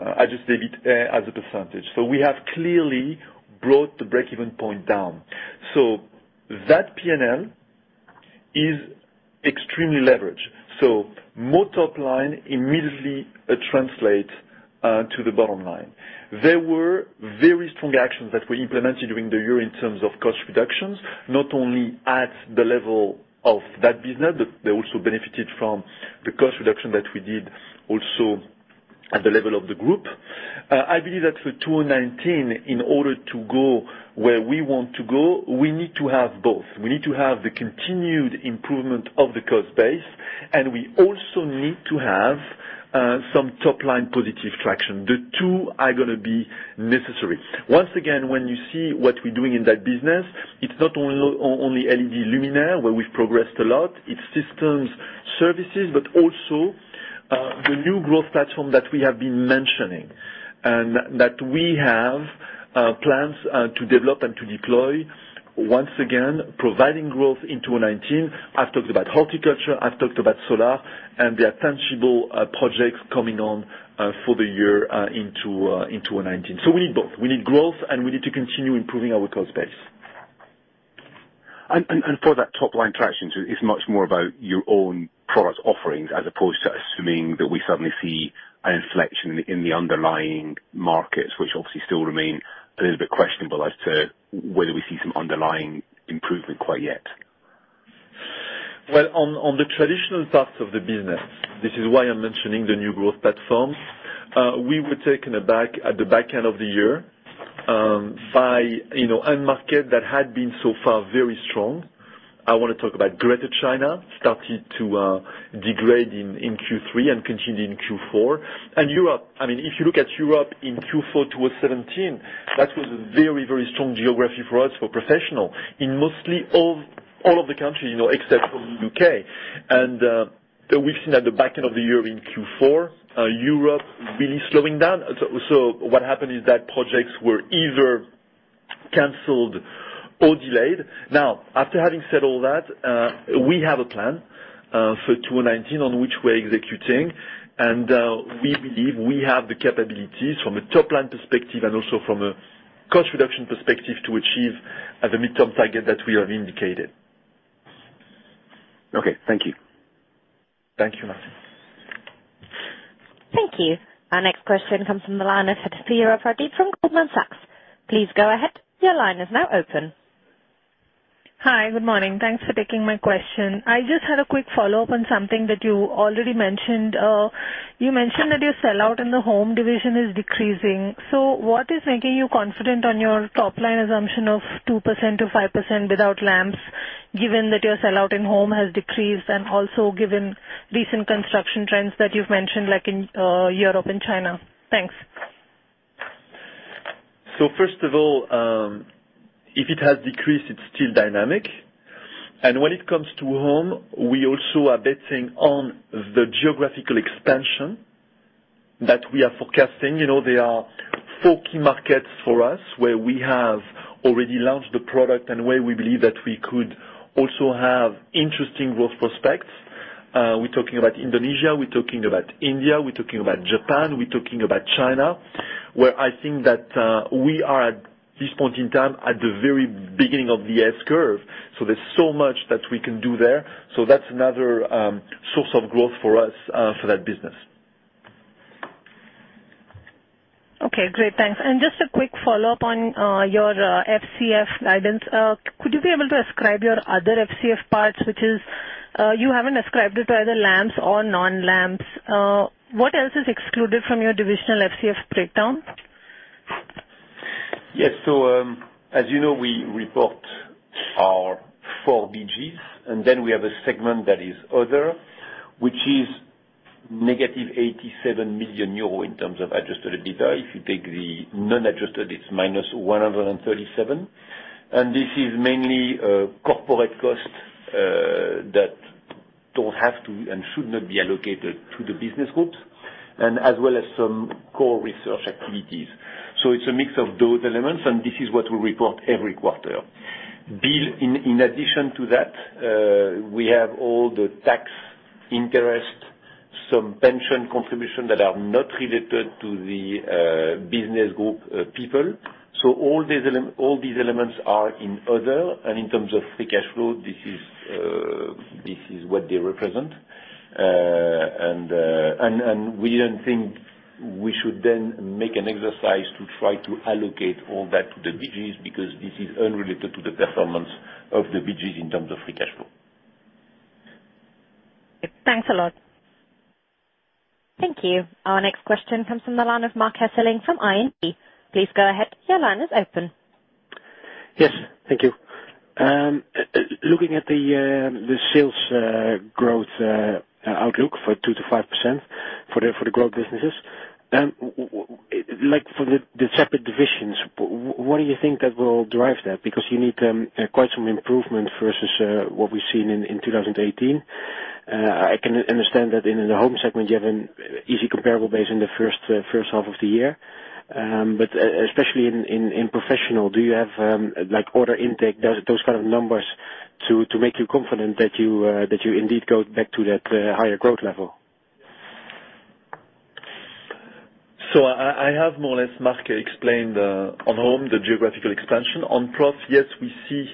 I just take it as a percentage. We have clearly brought the breakeven point down. That P&L is extremely leveraged. More top line immediately translates to the bottom line. There were very strong actions that were implemented during the year in terms of cost reductions, not only at the level of that business, they also benefited from the cost reduction that we did also at the level of the group. I believe that for 2019, in order to go where we want to go, we need to have both. We need to have the continued improvement of the cost base, and we also need to have some top line positive traction. The two are going to be necessary. Once again, when you see what we're doing in that business, it's not only LED luminaire, where we've progressed a lot, it's systems, services, but also the new growth platform that we have been mentioning. That we have plans to develop and to deploy, once again, providing growth in 2019. I've talked about horticulture, I've talked about solar, and there are tangible projects coming on for the year into 2019. We need both. We need growth, and we need to continue improving our cost base. For that top line traction, it's much more about your own product offerings as opposed to assuming that we suddenly see an inflection in the underlying markets, which obviously still remain a little bit questionable as to whether we see some underlying improvement quite yet. Well, on the traditional parts of the business, this is why I'm mentioning the new growth platform. We were taken aback at the back end of the year by end market that had been so far very strong. I want to talk about Greater China, started to degrade in Q3 and continued in Q4. Europe, if you look at Europe in Q4 2017, that was a very, very strong geography for us for Professional. In mostly all of the countries, except from the U.K. That we've seen at the back end of the year in Q4, Europe really slowing down. What happened is that projects were either canceled or delayed. Now, after having said all that, we have a plan for 2019 on which we're executing. We believe we have the capabilities from a top-line perspective and also from a cost reduction perspective to achieve the midterm target that we have indicated. Okay. Thank you. Thank you, Martin. Thank you. Our next question comes from the line of Athira Pradeep from Goldman Sachs. Please go ahead. Your line is now open. Hi. Good morning. Thanks for taking my question. I just had a quick follow-up on something that you already mentioned. You mentioned that your sell-out in the Home division is decreasing. What is making you confident on your top-line assumption of 2%-5% without lamps, given that your sell-out in Home has decreased and also given recent construction trends that you've mentioned, like in Europe and China? Thanks. First of all, if it has decreased, it's still dynamic. When it comes to Home, we also are betting on the geographical expansion that we are forecasting. There are four key markets for us where we have already launched the product and where we believe that we could also have interesting growth prospects. We're talking about Indonesia, we're talking about India, we're talking about Japan, we're talking about China, where I think that we are, at this point in time, at the very beginning of the S-curve. There's so much that we can do there. That's another source of growth for us for that business. Okay, great. Thanks. Just a quick follow-up on your FCF guidance. Could you be able to ascribe your other FCF parts, which is, you haven't ascribed it to either lamps or non-lamps. What else is excluded from your divisional FCF breakdown? Yes. As you know, we report our four BGs, and then we have a segment that is other, which is -87 million euro in terms of adjusted EBITA. If you take the non-adjusted, it's -137. This is mainly corporate costs that don't have to, and should not be allocated to the Business Groups, and as well as some core research activities. It's a mix of those elements, and this is what we report every quarter. In addition to that, we have all the tax interest, some pension contribution that are not related to the Business Group people. All these elements are in other, and in terms of free cash flow, this is what they represent. We don't think we should then make an exercise to try to allocate all that to the BGs, because this is unrelated to the performance of the BGs in terms of free cash flow. Thanks a lot. Thank you. Our next question comes from the line of Marc Hesselink from ING. Please go ahead. Your line is open. Yes. Thank you. Looking at the sales growth outlook for 2%-5% for the growth businesses. For the separate divisions, what do you think that will drive that? You need quite some improvement versus what we've seen in 2018. I can understand that in the Home segment, you have an easy comparable base in the first half of the year. Especially in Professional, do you have order intake, those kind of numbers to make you confident that you indeed go back to that higher growth level? I have more or less, Marc explained on Home, the geographical expansion. On Prof, yes, we see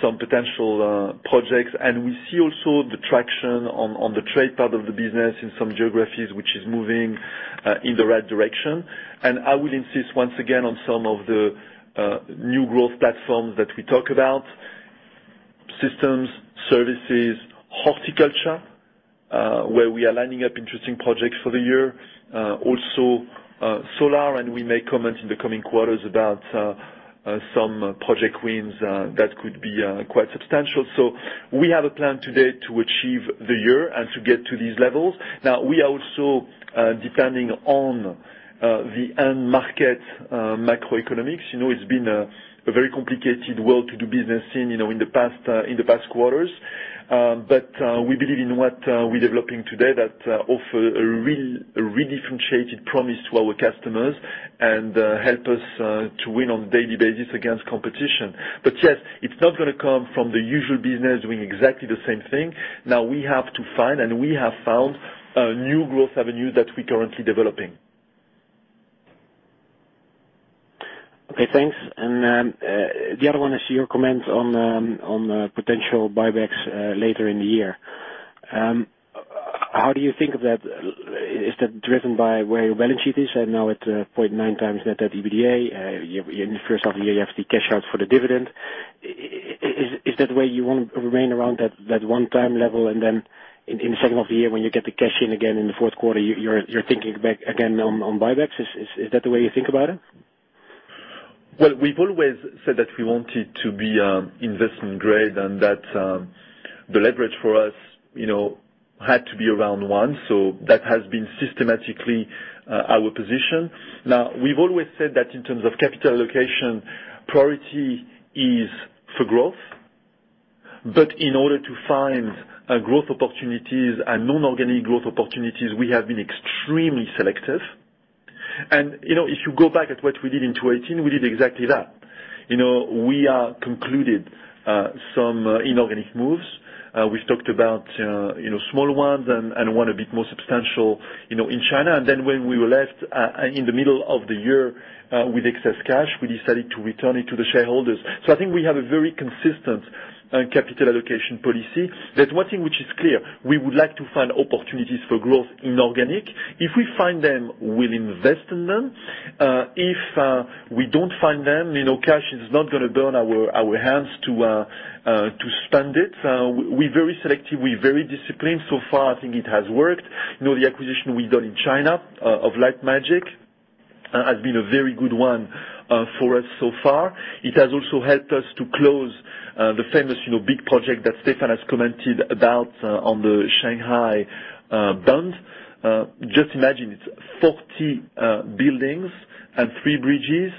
some potential projects, and we see also the traction on the trade part of the business in some geographies, which is moving in the right direction. I will insist once again on some of the new growth platforms that we talk about. Systems, services, horticulture, where we are lining up interesting projects for the year. Also solar, we may comment in the coming quarters about some project wins that could be quite substantial. We have a plan today to achieve the year and to get to these levels. We are also depending on the end market macroeconomics. It's been a very complicated world to do business in the past quarters. We believe in what we're developing today that offer a real differentiated promise to our customers and help us to win on a daily basis against competition. Yes, it's not going to come from the usual business doing exactly the same thing. We have to find, and we have found a new growth avenue that we're currently developing. Okay, thanks. The other one is your comments on potential buybacks later in the year. How do you think of that? Is that driven by where your balance sheet is? I know it's 0.9x net at EBITA. In the first half of the year, you have the cash out for the dividend. Is that the way you want to remain around that 1-time level, and then in the second half of the year when you get the cash in again in the fourth quarter, you're thinking back again on buybacks? Is that the way you think about it? Well, we've always said that we wanted to be investment grade and that the leverage for us had to be around 1x. That has been systematically our position. We've always said that in terms of capital allocation, priority is for growth. In order to find growth opportunities and non-organic growth opportunities, we have been extremely selective. If you go back at what we did in 2018, we did exactly that. We concluded some inorganic moves. We've talked about smaller ones and one a bit more substantial in China. When we were left in the middle of the year with excess cash, we decided to return it to the shareholders. I think we have a very consistent capital allocation policy. There's one thing which is clear, we would like to find opportunities for growth inorganic. If we find them, we'll invest in them. If we don't find them, cash is not going to burn our hands to spend it. We're very selective, we're very disciplined. So far, I think it has worked. The acquisition we've done in China of LiteMagic Technologies has been a very good one for us so far. It has also helped us to close the famous big project that Stéphane has commented about on the Shanghai Bund. Just imagine it's 40 buildings and three bridges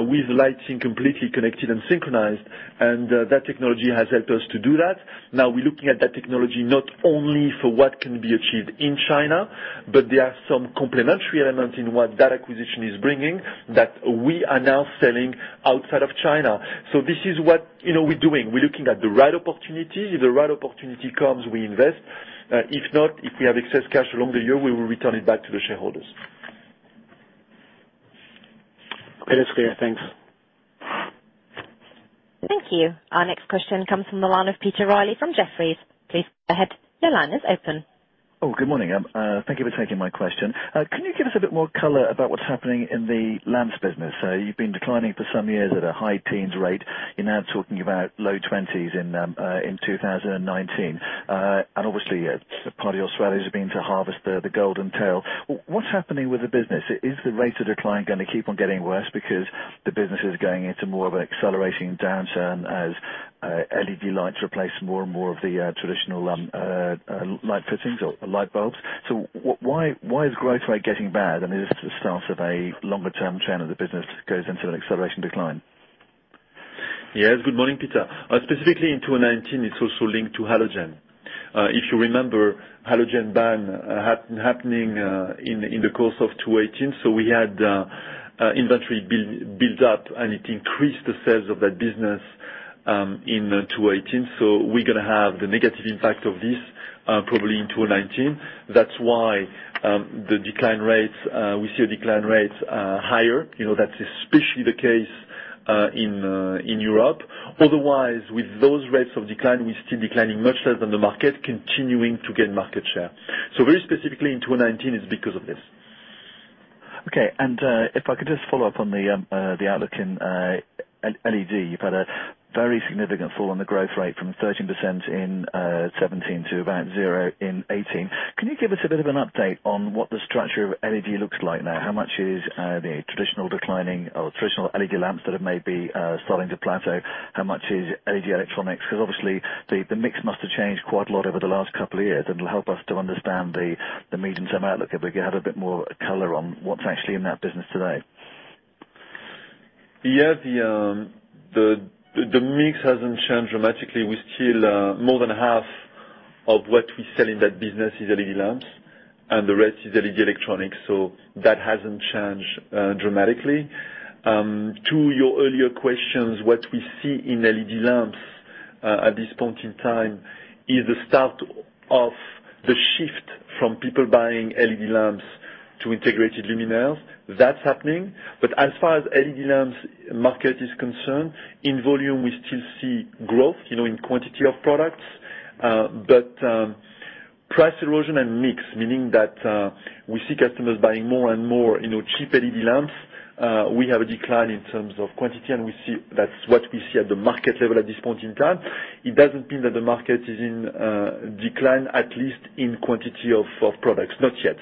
with lighting completely connected and synchronized. That technology has helped us to do that. We're looking at that technology not only for what can be achieved in China, there are some complementary elements in what that acquisition is bringing that we are now selling outside of China. This is what we're doing. We're looking at the right opportunity. If the right opportunity comes, we invest. If not, if we have excess cash along the year, we will return it back to the shareholders. Clear. Thanks. Thank you. Our next question comes from the line of Peter Reilly from Jefferies. Please go ahead. Your line is open. Good morning. Thank you for taking my question. Can you give us a bit more color about what's happening in the lamps business? You've been declining for some years at a high teens rate. You're now talking about low twenties in 2019. Obviously, part of your strategy has been to harvest the golden tail. What's happening with the business? Is the rate of decline going to keep on getting worse because the business is going into more of an accelerating downturn as LED lights replace more and more of the traditional light fittings or light bulbs? Why is growth rate getting bad? I mean, is this the start of a longer-term trend of the business goes into an acceleration decline? Yes. Good morning, Peter. Specifically in 2019, it's also linked to halogen. If you remember, halogen ban happening in the course of 2018, we had inventory build up and it increased the sales of that business in 2018. We're going to have the negative impact of this probably in 2019. That's why we see decline rates are higher. That's especially the case in Europe. Otherwise, with those rates of decline, we're still declining much less than the market, continuing to gain market share. Very specifically in 2019, it's because of this. Okay. If I could just follow up on the outlook in LED. You've had a very significant fall on the growth rate from 13% in 2017 to about 0% in 2018. Can you give us a bit of an update on what the structure of LED looks like now? How much is the traditional declining or traditional LED lamps that have maybe starting to plateau? How much is LED electronics? Because obviously the mix must have changed quite a lot over the last couple of years. It'll help us to understand the medium-term outlook if we could have a bit more color on what's actually in that business today. Yeah. The mix hasn't changed dramatically. We still, more than half of what we sell in that business is LED lamps, and the rest is LED electronics. That hasn't changed dramatically. To your earlier questions, what we see in LED lamps at this point in time is the start of the shift from people buying LED lamps to integrated luminaires. That's happening. As far as LED lamps market is concerned, in volume, we still see growth in quantity of products. Price erosion and mix, meaning that we see customers buying more and more cheap LED lamps. We have a decline in terms of quantity, and that's what we see at the market level at this point in time. It doesn't mean that the market is in decline, at least in quantity of products, not yet.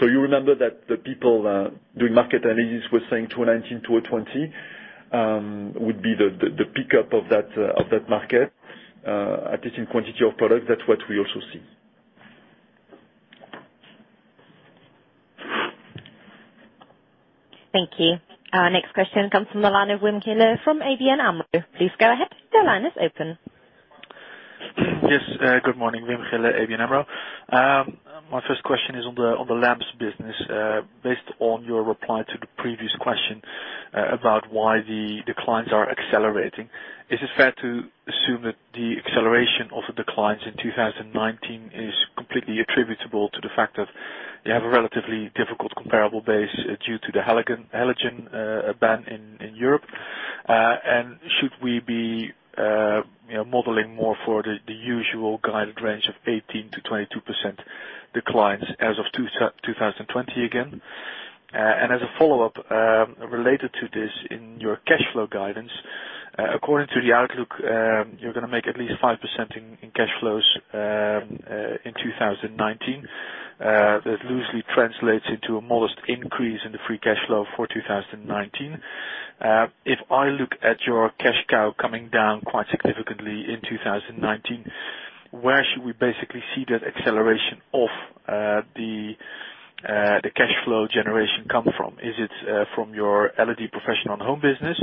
You remember that the people doing market analysis were saying 2019, 2020 would be the pickup of that market, at least in quantity of product. That's what we also see. Thank you. Our next question comes from the line of Wim Gille from ABN AMRO. Please go ahead. Your line is open. Yes. Good morning, Wim Gille, ABN AMRO. My first question is on the lamps business. Based on your reply to the previous question about why the declines are accelerating, is it fair to assume that the acceleration of the declines in 2019 is completely attributable to the fact that you have a relatively difficult comparable base due to the halogen ban in Europe? Should we be modeling more for the usual guided range of 18%-22% declines as of 2020 again? As a follow-up related to this, in your cash flow guidance, according to the outlook, you're going to make at least 5% in cash flows in 2019. That loosely translates into a modest increase in the free cash flow for 2019. If I look at your cash engine coming down quite significantly in 2019, where should we basically see that acceleration of the cash flow generation come from? Is it from your LED Professional and Home business,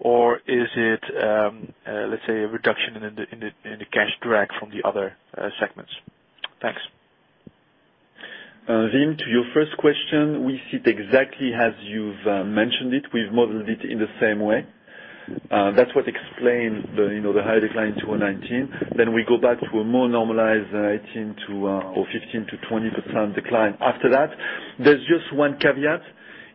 or is it, let's say, a reduction in the cash drag from the other segments? Thanks. Wim, to your first question, we see it exactly as you've mentioned it. We've modeled it in the same way. That's what explains the high decline in 2019. Then we go back to a more normalized 18% or 15%-20% decline after that. There's just one caveat,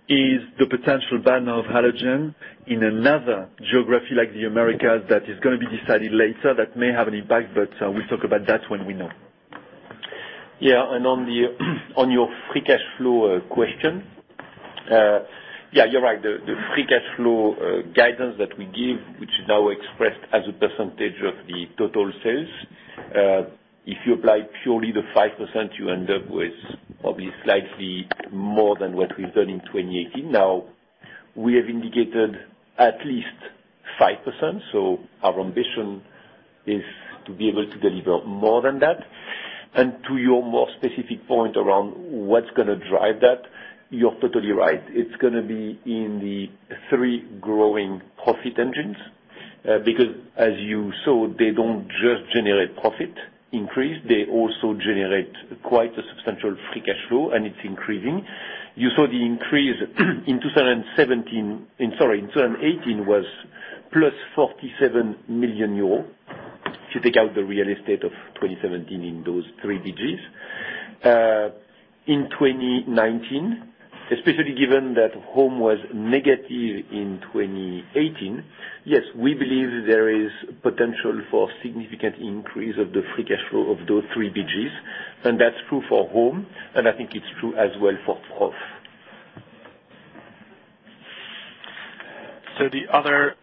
is the potential ban of halogen in another geography like the Americas that is going to be decided later. That may have an impact, but we'll talk about that when we know. On your free cash flow question, you're right. The free cash flow guidance that we give, which is now expressed as a percentage of the total sales. If you apply purely the 5%, you end up with probably slightly more than what we've done in 2018. We have indicated at least 5%, so our ambition is to be able to deliver more than that. To your more specific point around what's going to drive that, you're totally right. It's going to be in the three growing profit engines. Because as you saw, they don't just generate profit increase, they also generate quite a substantial free cash flow, and it's increasing. You saw the increase in 2017-- sorry, in 2018, was +47 million euros. If you take out the real estate of 2017 in those three BGs. In 2019, especially given that Home was negative in 2018, yes, we believe there is potential for significant increase of the free cash flow of those three BGs, and that's true for Home, and I think it's true as well for Prof. the other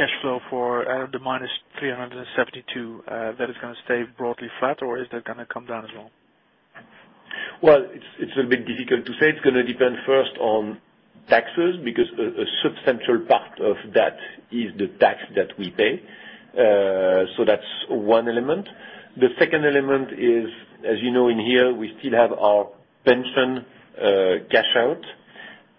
cash flow for the -372, that is going to stay broadly flat or is that going to come down as well? Well, it's a bit difficult to say. It's going to depend first on taxes, because a substantial part of that is the tax that we pay. That's one element. The second element is, as you know, in here, we still have our pension cash out,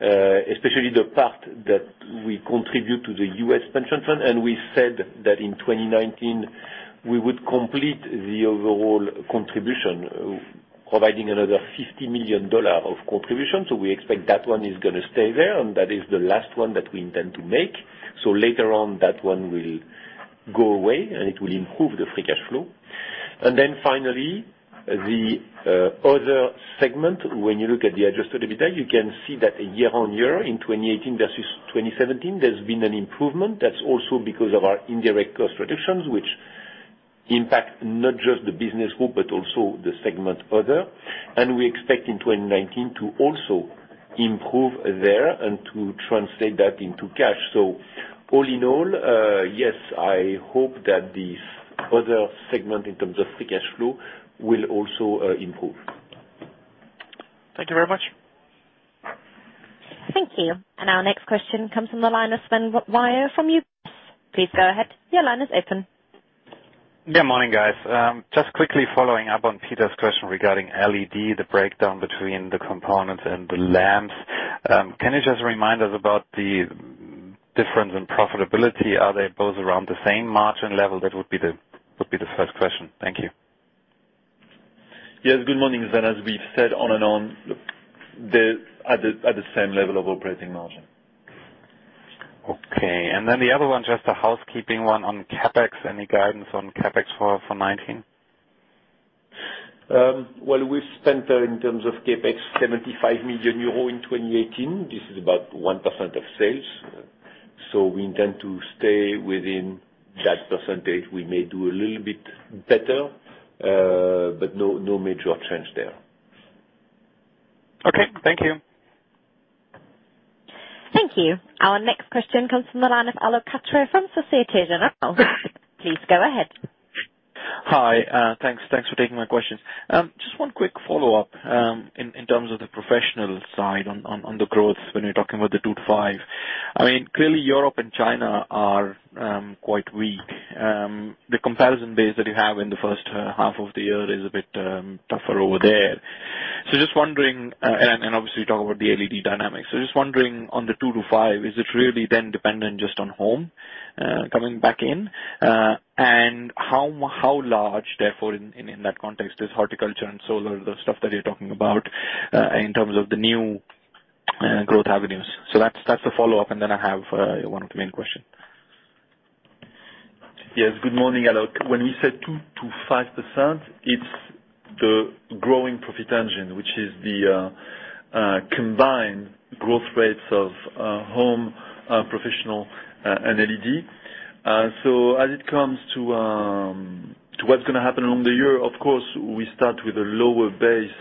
especially the part that we contribute to the U.S. pension fund. We said that in 2019, we would complete the overall contribution, providing another $50 million of contribution. We expect that one is going to stay there, and that is the last one that we intend to make. Later on, that one will go away, and it will improve the free cash flow. Finally, the other segment, when you look at the adjusted EBITA, you can see that year-on-year in 2018 versus 2017, there's been an improvement. That's also because of our indirect cost reductions, which impact not just the business group, but also the segment other. We expect in 2019 to also improve there and to translate that into cash. All in all, yes, I hope that this other segment, in terms of free cash flow, will also improve. Thank you very much. Thank you. Our next question comes from the line of Sven Weier from UBS. Please go ahead. Your line is open. Yeah, morning, guys. Just quickly following up on Peter's question regarding LED, the breakdown between the components and the lamps. Can you just remind us about the difference in profitability? Are they both around the same margin level? That would be the first question. Thank you. Yes, good morning, Sven. As we've said on and on, they're at the same level of operating margin. Okay. Then the other one, just a housekeeping one on CapEx. Any guidance on CapEx for 2019? Well, we've spent, in terms of CapEx, 75 million euro in 2018. This is about 1% of sales. We intend to stay within that percentage. We may do a little bit better, but no major change there. Okay. Thank you. Thank you. Our next question comes from the line of Alok Katre from Société Générale. Please go ahead. Hi. Thanks for taking my questions. Just one quick follow-up in terms of the professional side on the growth when you're talking about the 2%-5%. Clearly, Europe and China are quite weak. The comparison base that you have in the first half of the year is a bit tougher over there. Obviously, you talk about the LED dynamics. Just wondering on the 2%-5%, is it really then dependent just on home coming back in? How large, therefore, in that context, is horticulture and solar, the stuff that you're talking about in terms of the new growth avenues? That's the follow-up, and then I have one of the main question. Yes, good morning, Alok. When we said 2%-5%, it's the growing profit engine, which is the combined growth rates of Home, Professional, and LED. As it comes to what's going to happen along the year, of course, we start with a lower base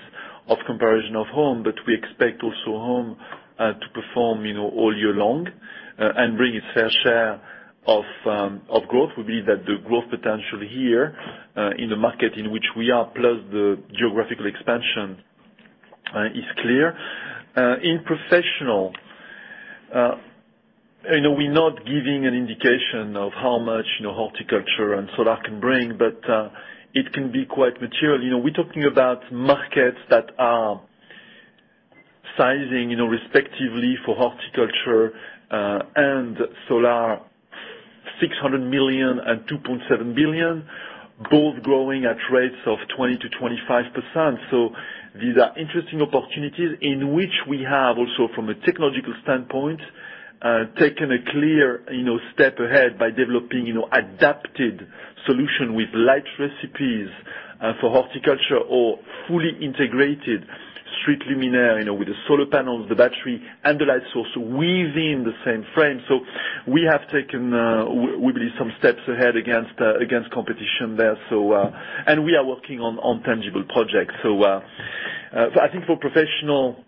of comparison of Home, but we expect also Home to perform all year long and bring its fair share of growth, would be that the growth potential here in the market in which we are, plus the geographical expansion is clear. In Professional, we're not giving an indication of how much horticulture and solar can bring, but it can be quite material. We're talking about markets that are sizing respectively for horticulture and solar 600 million and 2.7 billion, both growing at rates of 20%-25%. These are interesting opportunities in which we have also, from a technological standpoint, taken a clear step ahead by developing adapted solution with light recipes for horticulture or fully integrated street luminaire with the solar panels, the battery, and the light source within the same frame. We have taken, we believe, some steps ahead against competition there. We are working on tangible projects. I think for Professional,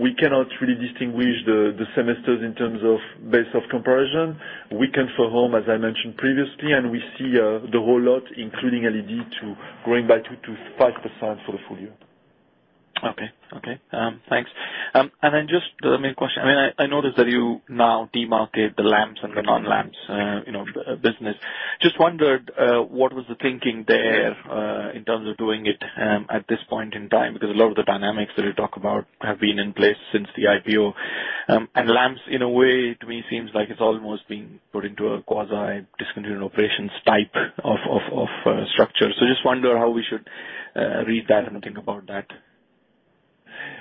we cannot really distinguish the semesters in terms of base of comparison. We can for Home, as I mentioned previously, and we see the whole lot, including LED, growing by 2%-5% for the full year. Okay. Thanks. Then just the main question. I noticed that you now demarket the Lamps and the non-Lamps business. Just wondered what was the thinking there in terms of doing it at this point in time, because a lot of the dynamics that you talk about have been in place since the IPO. Lamps, in a way, to me, seems like it's almost being put into a quasi discontinued operations type of structure. Just wonder how we should read that and think about that.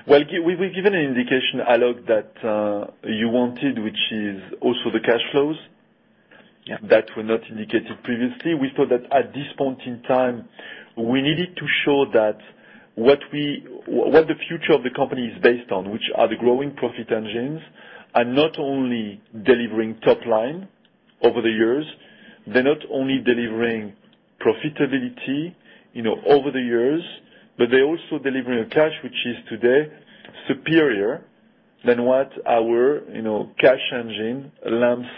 Well, we've given an indication, Alok, that you wanted, which is also the cash flows. Yeah. That were not indicated previously. We thought that at this point in time, we needed to show that what the future of the company is based on, which are the growing profit engines, are not only delivering top line over the years, they're not only delivering profitability over the years, but they're also delivering a cash which is today superior than what our cash engine Lamps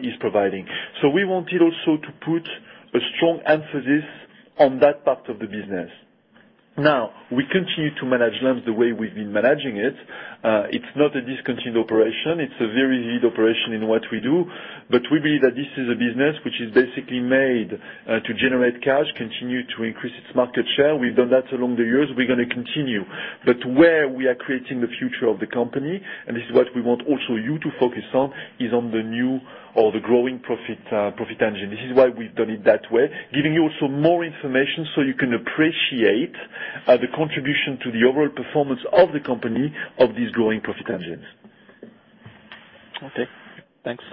is providing. We wanted also to put a strong emphasis on that part of the business. Now, we continue to manage Lamps the way we've been managing it. It's not a discontinued operation. It's a very lead operation in what we do. We believe that this is a business which is basically made to generate cash, continue to increase its market share. We've done that along the years. We're going to continue. Where we are creating the future of the company, and this is what we want also you to focus on, is on the new or the growing profit engine. This is why we've done it that way, giving you also more information so you can appreciate the contribution to the overall performance of the company of these growing profit engines. Okay, thanks.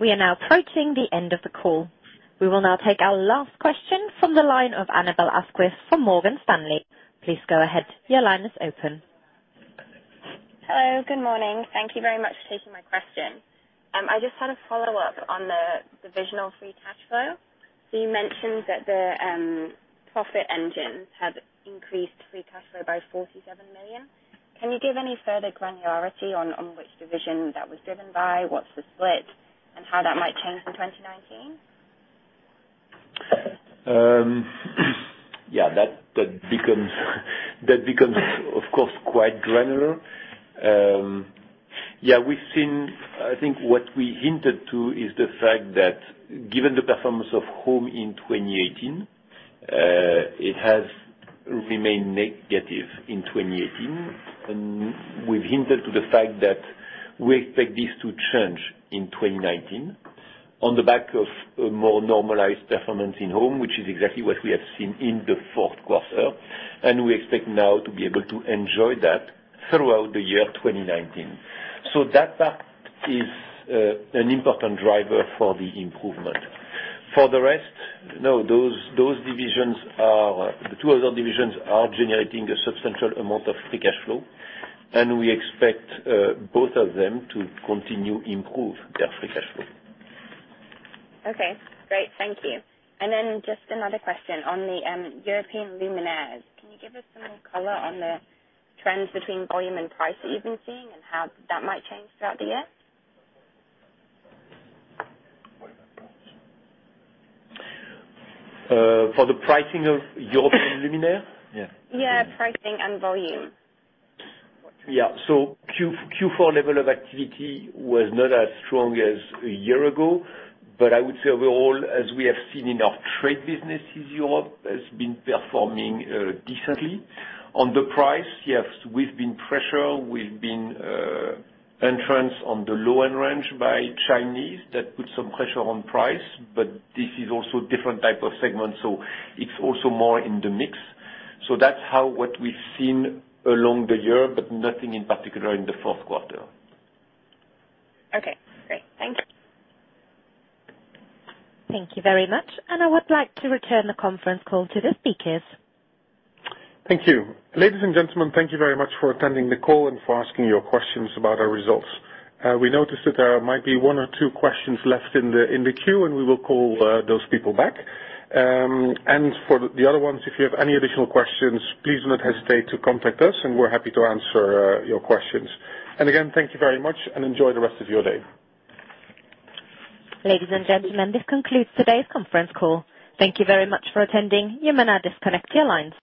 We are now approaching the end of the call. We will now take our last question from the line of Annabel Asquith from Morgan Stanley. Please go ahead, your line is open. Hello, good morning. Thank you very much for taking my question. I just had a follow-up on the divisional free cash flow. You mentioned that the profit engines had increased free cash flow by 47 million. Can you give any further granularity on which division that was driven by, what's the split, and how that might change in 2019? Yeah, that becomes of course quite granular. I think what we hinted to is the fact that given the performance of Home in 2018, it has remained negative in 2018, and we've hinted to the fact that we expect this to change in 2019 on the back of a more normalized performance in Home, which is exactly what we have seen in the fourth quarter, and we expect now to be able to enjoy that throughout the year 2019. That part is an important driver for the improvement. For the rest, no, the two other divisions are generating a substantial amount of free cash flow, and we expect both of them to continue improve their free cash flow. Okay, great. Thank you. Just another question on the European luminaires. Can you give us some more color on the trends between volume and price that you've been seeing and how that might change throughout the year? For the pricing of European luminaire? Yeah. Yeah, pricing and volume. Q4 level of activity was not as strong as a year ago, but I would say overall, as we have seen in our trade businesses, Europe has been performing decently. On the price, yes, we've been pressure. We've been entrance on the low-end range by Chinese. That put some pressure on price. This is also different type of segment, so it's also more in the mix. That's what we've seen along the year, but nothing in particular in the fourth quarter. Okay, great. Thank you. Thank you very much. I would like to return the conference call to the speakers. Thank you. Ladies and gentlemen, thank you very much for attending the call and for asking your questions about our results. We noticed that there might be one or two questions left in the queue. We will call those people back. For the other ones, if you have any additional questions, please do not hesitate to contact us, and we're happy to answer your questions. Again, thank you very much, and enjoy the rest of your day. Ladies and gentlemen, this concludes today's conference call. Thank you very much for attending. You may now disconnect your lines.